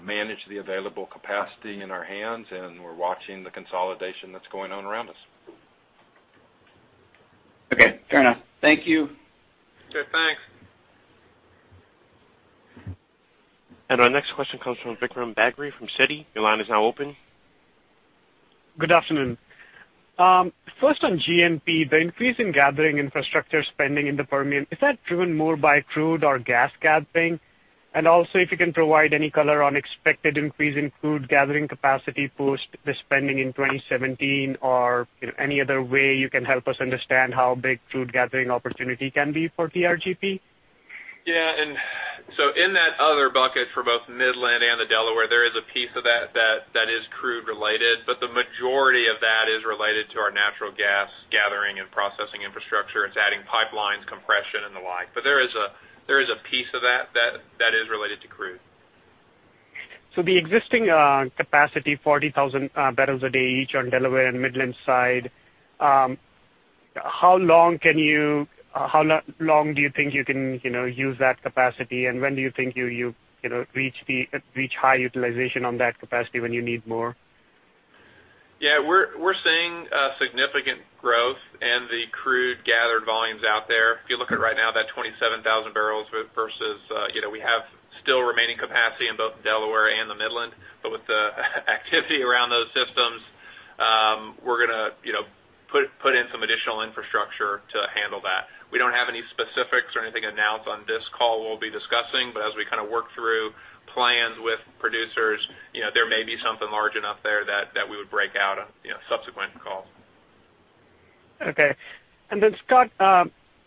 manage the available capacity in our hands, and we're watching the consolidation that's going on around us. Okay, fair enough. Thank you. Okay, thanks. Our next question comes from Vikram Bagri from Citi. Your line is now open. Good afternoon. First on G&P, the increase in gathering infrastructure spending in the Permian, is that driven more by crude or gas gathering? Also, if you can provide any color on expected increase in crude gathering capacity post the spending in 2017 or any other way you can help us understand how big crude gathering opportunity can be for TRGP? Yeah. In that other bucket for both Midland and the Delaware, there is a piece of that is crude related, the majority of that is related to our natural gas gathering and processing infrastructure. It's adding pipelines, compression, and the like. There is a piece of that is related to crude. The existing capacity, 40,000 barrels a day each on Delaware and Midland side, how long do you think you can use that capacity, and when do you think you'll reach high utilization on that capacity when you need more? Yeah, we're seeing a significant growth in the crude gathered volumes out there. If you look at it right now, that 27,000 barrels, we have still remaining capacity in both Delaware and the Midland. With the activity around those systems, we're going to put in some additional infrastructure to handle that. We don't have any specifics or anything to announce on this call we'll be discussing, as we work through plans with producers, there may be something large enough there that we would break out on subsequent calls. Okay. Then, Scott,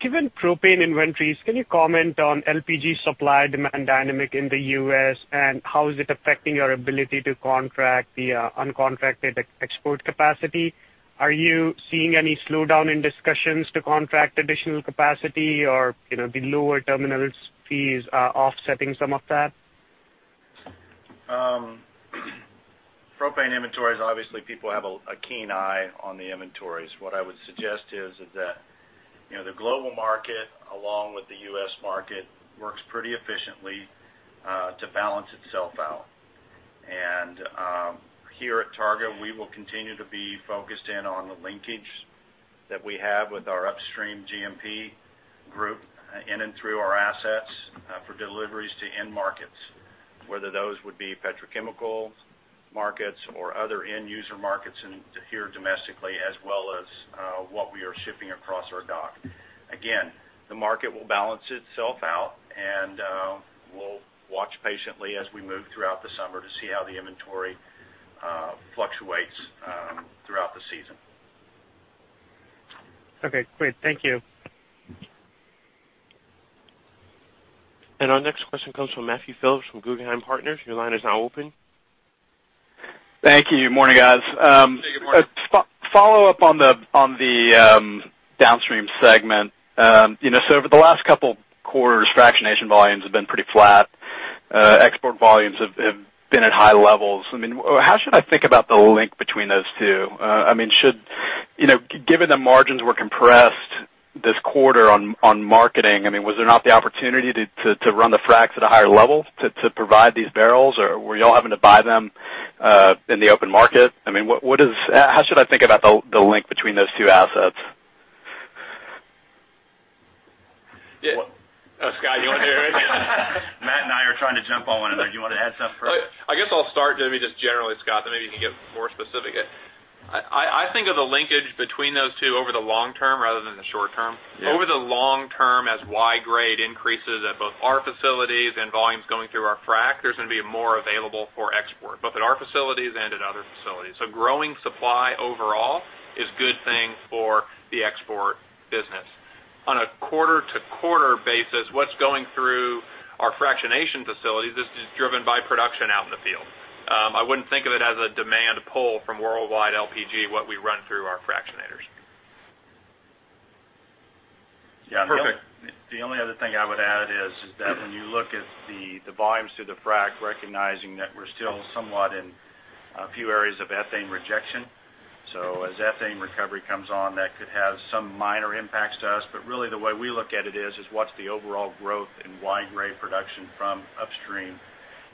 given propane inventories, can you comment on LPG supply-demand dynamic in the U.S., and how is it affecting your ability to contract the uncontracted export capacity? Are you seeing any slowdown in discussions to contract additional capacity or the lower terminals fees are offsetting some of that? Propane inventories, obviously, people have a keen eye on the inventories. What I would suggest is that the global market, along with the U.S. market, works pretty efficiently to balance itself out. Here at Targa, we will continue to be focused in on the linkage that we have with our upstream G&P group in and through our assets for deliveries to end markets, whether those would be petrochemicals markets or other end user markets here domestically, as well as what we are shipping across our dock. Again, the market will balance itself out, and we'll watch patiently as we move throughout the summer to see how the inventory fluctuates throughout the season. Okay, great. Thank you. Our next question comes from Matthew Phillips from Guggenheim Partners. Your line is now open. Thank you. Morning, guys. Hey, good morning. Follow-up on the downstream segment. Over the last couple quarters, fractionation volumes have been pretty flat. Export volumes have been at high levels. How should I think about the link between those two? Given the margins were compressed this quarter on marketing, was there not the opportunity to run the fracs at a higher level to provide these barrels, or were you all having to buy them in the open market? How should I think about the link between those two assets? Scott, you want to do it? Matt and I are trying to jump on in there. Do you want to add something first? I guess I'll start maybe just generally, Scott, then maybe you can get more specific. I think of the linkage between those two over the long term rather than the short term. Yeah. Over the long term, as Y-grade increases at both our facilities and volumes going through our frac, there's going to be more available for export, both at our facilities and at other facilities. Growing supply overall is good thing for the export business. On a quarter-to-quarter basis, what's going through our fractionation facilities is driven by production out in the field. I wouldn't think of it as a demand pull from worldwide LPG, what we run through our fractionators. Perfect. The only other thing I would add is that when you look at the volumes through the frac, recognizing that we're still somewhat in a few areas of ethane rejection. As ethane recovery comes on, that could have some minor impacts to us, but really the way we look at it is what's the overall growth in Y-grade production from upstream,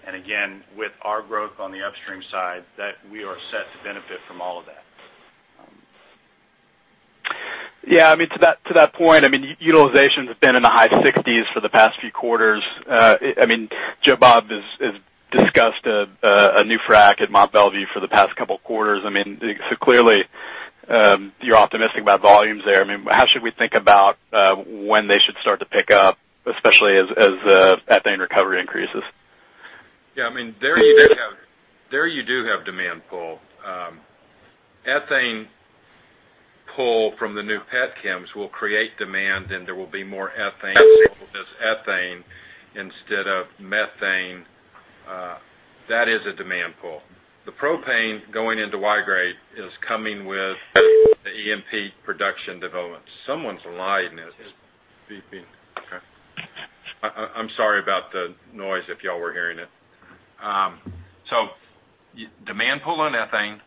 and again, with our growth on the upstream side, that we are set to benefit from all of that. Yeah. To that point, utilization's been in the high 60s for the past few quarters. Joe Bob has discussed a new frac at Mont Belvieu for the past couple quarters. Clearly, you're optimistic about volumes there. How should we think about when they should start to pick up, especially as ethane recovery increases? Yeah. There you do have demand pull. Ethane pull from the new petchems will create demand, and there will be more ethane sampled as ethane instead of methane. That is a demand pull. The propane going into Y-grade is coming with the E&P production developments. Someone's line is beeping. Okay. I'm sorry about the noise if you all were hearing it. Pull on ethane,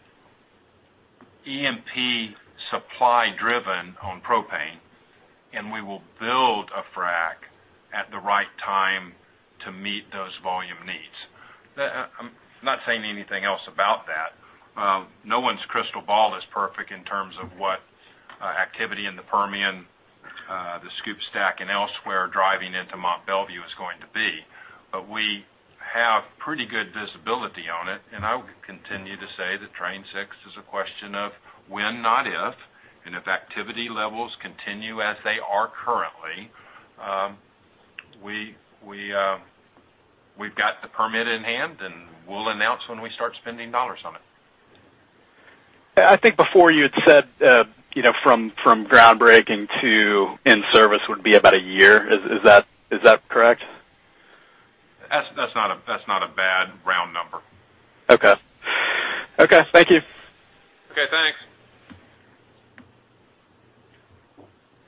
E&P supply driven on propane, and we will build a frack at the right time to meet those volume needs. I'm not saying anything else about that. No one's crystal ball is perfect in terms of what activity in the Permian, the Scoop Stack, and elsewhere driving into Mont Belvieu is going to be. We have pretty good visibility on it, and I would continue to say that Train 6 is a question of when, not if. If activity levels continue as they are currently, we've got the permit in hand, and we'll announce when we start spending dollars on it. I think before you had said, from groundbreaking to in-service would be about one year. Is that correct? That's not a bad round number. Okay. Thank you. Okay, thanks.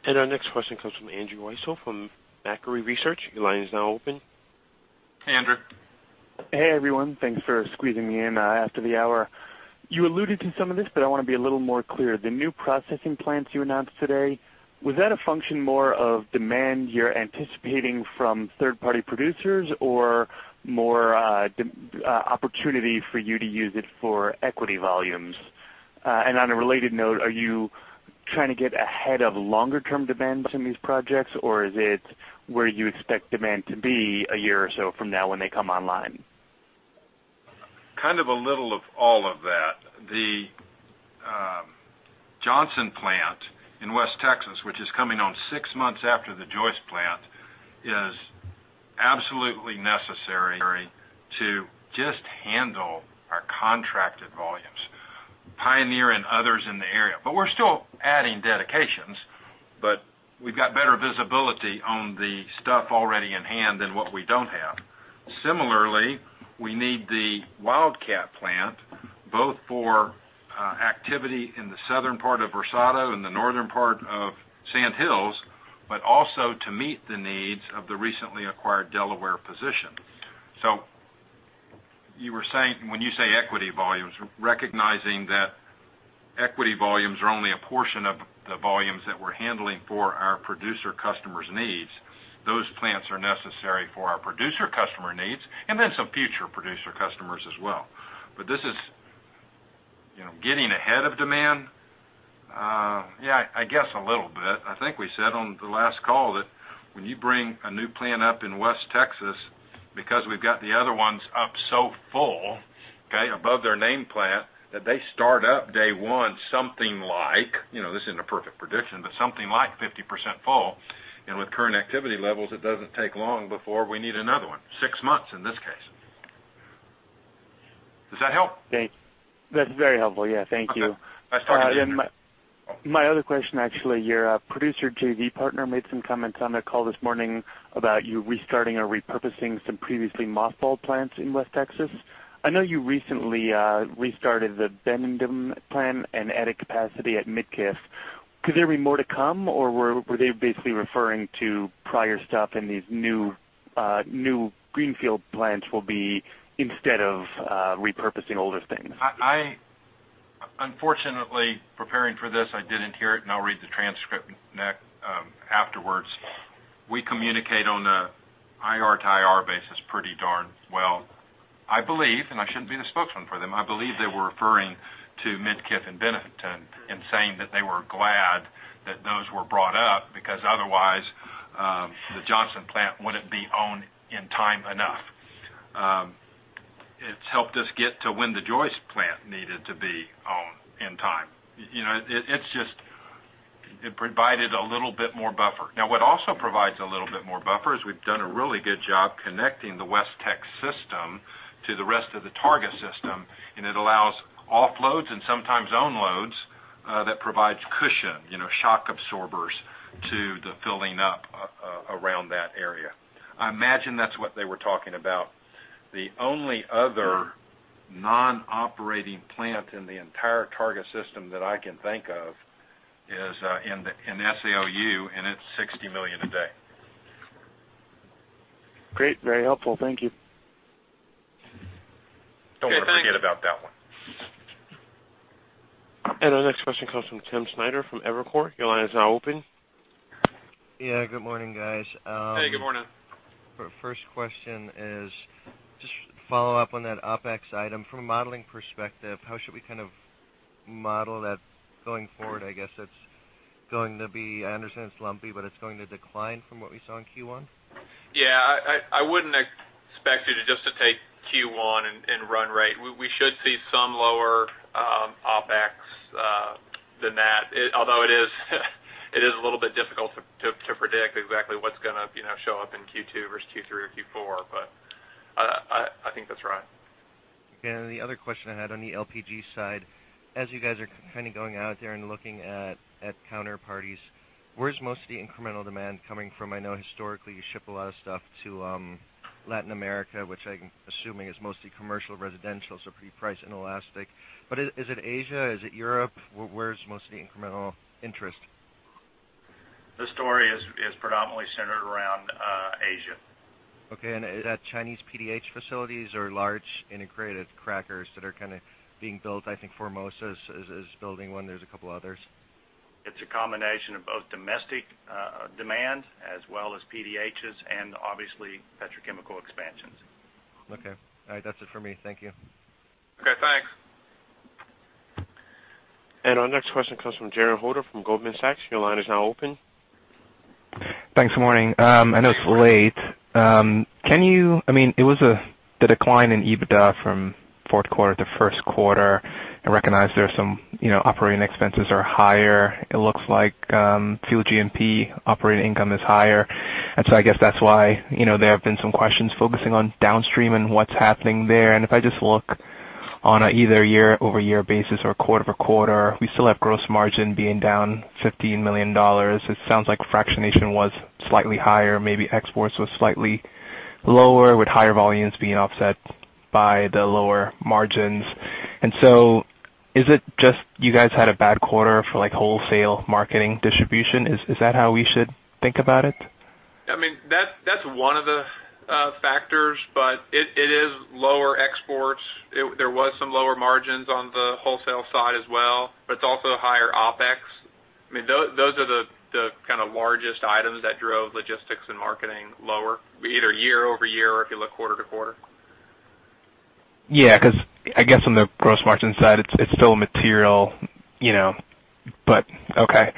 Our next question comes from Andrew Weisel from Macquarie Research. Your line is now open. Hey, Andrew. Hey, everyone. Thanks for squeezing me in after the hour. You alluded to some of this. I want to be a little more clear. The new processing plants you announced today, was that a function more of demand you're anticipating from third-party producers or more opportunity for you to use it for equity volumes? On a related note, are you trying to get ahead of longer-term demands in these projects, or is it where you expect demand to be a year or so from now when they come online? Kind of a little of all of that. The Johnson plant in West Texas, which is coming on six months after the Joyce plant, is absolutely necessary to just handle our contracted volumes. Pioneer and others in the area. We're still adding dedications, but we've got better visibility on the stuff already in hand than what we don't have. Similarly, we need the Wildcat plant both for activity in the southern part of Versado and the northern part of Sand Hills, but also to meet the needs of the recently acquired Delaware position. When you say equity volumes, recognizing that equity volumes are only a portion of the volumes that we're handling for our producer customers' needs. Those plants are necessary for our producer customer needs and then some future producer customers as well. This is getting ahead of demand. Yeah, I guess a little bit. I think we said on the last call that when you bring a new plant up in West Texas, because we've got the other ones up so full, above their nameplate, that they start up day one, this isn't a perfect prediction, but something like 50% full. With current activity levels, it doesn't take long before we need another one. Six months in this case. Does that help? That's very helpful. Yeah. Thank you. Okay. Nice talking to you, Andrew. My other question actually, your producer JV partner made some comments on the call this morning about you restarting or repurposing some previously mothballed plants in West Texas. I know you recently restarted the Benedum plant and added capacity at Midkiff. Could there be more to come, or were they basically referring to prior stuff and these new greenfield plants will be instead of repurposing older things? Unfortunately, preparing for this, I didn't hear it and I'll read the transcript afterwards. We communicate on a IR to IR basis pretty darn well. I believe, and I shouldn't be the spokesman for them, I believe they were referring to Midkiff and Benedum in saying that they were glad that those were brought up because otherwise, the Johnson Plant wouldn't be owned in time enough. It's helped us get to when the Joyce Plant needed to be owned in time. It provided a little bit more buffer. What also provides a little bit more buffer is we've done a really good job connecting the West Tex system to the rest of the Targa system, and it allows off loads and sometimes own loads that provides cushion, shock absorbers to the filling up around that area. I imagine that's what they were talking about. The only other non-operating plant in the entire Targa system that I can think of is in SAOU. It's 60 million a day. Great. Very helpful. Thank you. Don't forget about that one. Our next question comes from Timm Schneider from Evercore. Your line is now open. Yeah, good morning, guys. Hey, good morning. First question is just follow up on that OpEx item. From a modeling perspective, how should we kind of model that going forward? I guess I understand it's lumpy, but it's going to decline from what we saw in Q1? Yeah, I wouldn't expect you just to take Q1 and run rate. We should see some lower OpEx than that. It is a little bit difficult to predict exactly what's going to show up in Q2 versus Q3 or Q4, but I think that's right. The other question I had on the LPG side, as you guys are kind of going out there and looking at counter parties, where's most of the incremental demand coming from? I know historically you ship a lot of stuff to Latin America, which I'm assuming is mostly commercial, residential, so pretty price inelastic. Is it Asia? Is it Europe? Where's most of the incremental interest? The story is predominantly centered around Asia. Okay. Is that Chinese PDH facilities or large integrated crackers that are kind of being built? I think Formosa is building one. There's a couple others. It's a combination of both domestic demand as well as PDHs and obviously petrochemical expansions. Okay. All right. That's it for me. Thank you. Okay, thanks. Our next question comes from Jerren Holder from Goldman Sachs. Your line is now open. Thanks. Morning. I know it's late. It was the decline in EBITDA from fourth quarter to first quarter. I recognize there some operating expenses are higher. It looks like fuel G&P operating income is higher, I guess that's why there have been some questions focusing on downstream and what's happening there. If I just look on either a year-over-year basis or quarter-over-quarter, we still have gross margin being down $50 million. It sounds like fractionation was slightly higher. Maybe exports was slightly lower with higher volumes being offset by the lower margins. Is it just you guys had a bad quarter for like wholesale marketing distribution? Is that how we should think about it? I mean, that's one of the factors, but it is lower exports. There was some lower margins on the wholesale side as well, but it's also higher OpEx. I mean, those are the kind of largest items that drove logistics and marketing lower either year-over-year or if you look quarter-to-quarter. Yeah, because I guess on the gross margin side, it's still a material. Okay.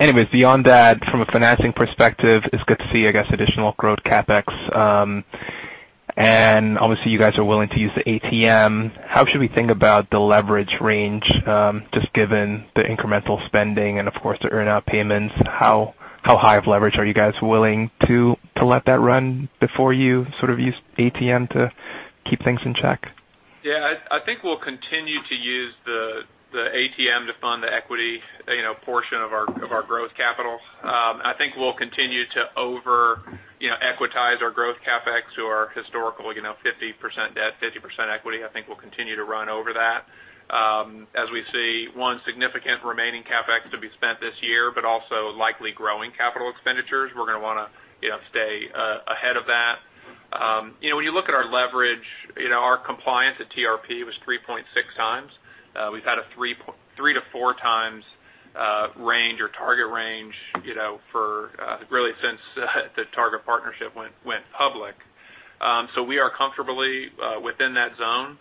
Anyways, beyond that, from a financing perspective, it's good to see, I guess, additional growth CapEx. Obviously you guys are willing to use the ATM. How should we think about the leverage range, just given the incremental spending and of course, the earn-out payments, how high of leverage are you guys willing to let that run before you sort of use ATM to keep things in check? Yeah. I think we'll continue to use the ATM to fund the equity portion of our growth capital. I think we'll continue to over-equitize our growth CapEx who are historical 50% debt, 50% equity. I think we'll continue to run over that. We see one significant remaining CapEx to be spent this year, but also likely growing capital expenditures. We're going to want to stay ahead of that. When you look at our leverage, our compliance at TRP was 3.6 times. We've had a three to four times range or target range really since the Targa partnership went public. We are comfortably within that zone.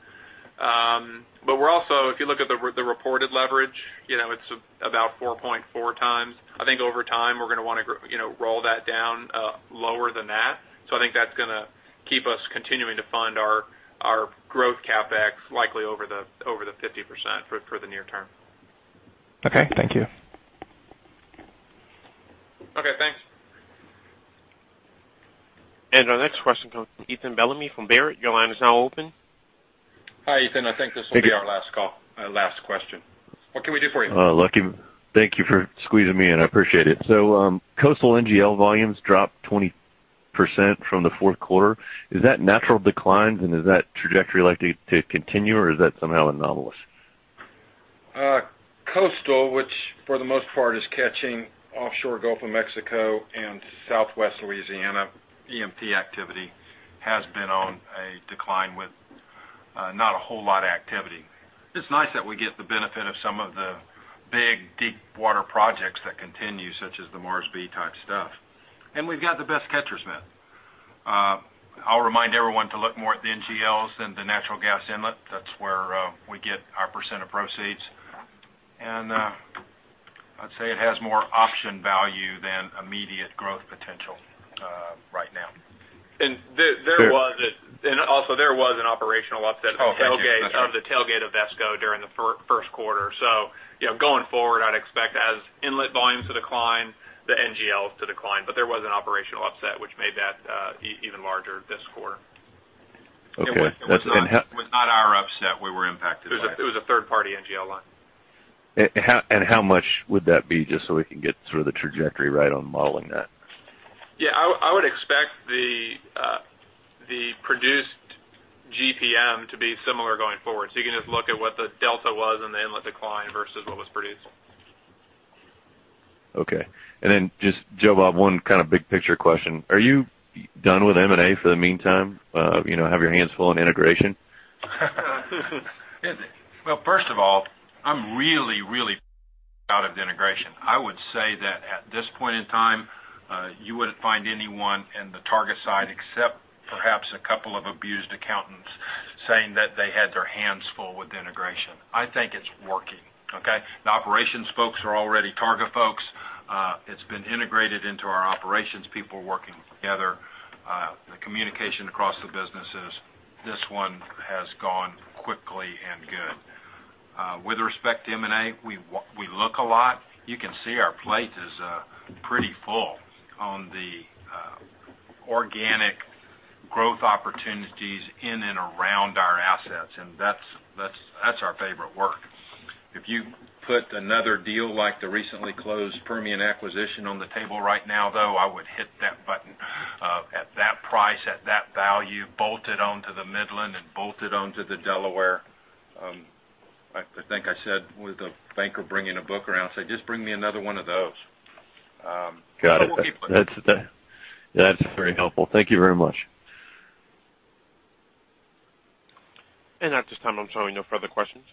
We're also, if you look at the reported leverage, it's about 4.4 times. I think over time, we're going to want to roll that down lower than that. I think that's going to keep us continuing to fund our growth CapEx likely over the 50% for the near term. Okay. Thank you. Okay. Thanks. Our next question comes from Ethan Bellamy from Baird. Your line is now open. Hi, Ethan. I think this will be our last call. Last question. What can we do for you? Lucky. Thank you for squeezing me in. I appreciate it. Coastal NGL volumes dropped 20% from the fourth quarter. Is that natural declines, is that trajectory likely to continue, or is that somehow anomalous? Coastal, which for the most part is catching offshore Gulf of Mexico and Southwest Louisiana E&P activity, has been on a decline with not a whole lot activity. It's nice that we get the benefit of some of the big deep water projects that continue, such as the Mars B type stuff. We've got the best catchers, man. I'll remind everyone to look more at the NGLs than the natural gas inlet. That's where we get our % of proceeds. I'd say it has more option value than immediate growth potential right now. Also, there was an operational upset. Oh, okay. Got it of the tailgate of Sunoco during the first quarter. Going forward, I'd expect as inlet volumes to decline, the NGLs to decline. There was an operational upset which made that even larger this quarter. Okay. It was not our upset we were impacted by. It was a third-party NGL line. How much would that be just so we can get sort of the trajectory right on modeling that? Yeah. I would expect the produced GPM to be similar going forward. You can just look at what the delta was in the inlet decline versus what was produced. Okay. Then just, Joe Bob, one kind of big picture question. Are you done with M&A for the meantime? Have your hands full on integration? Well, first of all, I'm really, really proud of the integration. I would say that at this point in time, you wouldn't find anyone in the Targa side except perhaps a couple of abused accountants saying that they had their hands full with integration. I think it's working. Okay? The operations folks are already Targa folks. It's been integrated into our operations, people working together. The communication across the businesses, this one has gone quickly and good. With respect to M&A, we look a lot. You can see our plate is pretty full on the organic growth opportunities in and around our assets. That's our favorite work. If you put another deal like the recently closed Permian acquisition on the table right now, though, I would hit that button. At that price, at that value, bolted onto the Midland and bolted onto the Delaware. I think I said with a banker bringing a book around, say, "Just bring me another one of those. Got it. That's very helpful. Thank you very much. At this time, I am showing no further questions.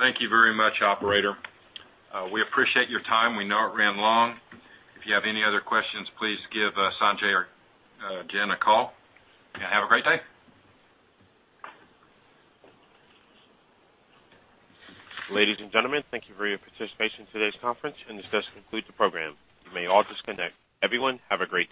Thank you very much, operator. We appreciate your time. We know it ran long. If you have any other questions, please give Sanjay or Jen a call. Have a great day. Ladies and gentlemen, thank you for your participation in today's conference, and this does conclude the program. You may all disconnect. Everyone, have a great day.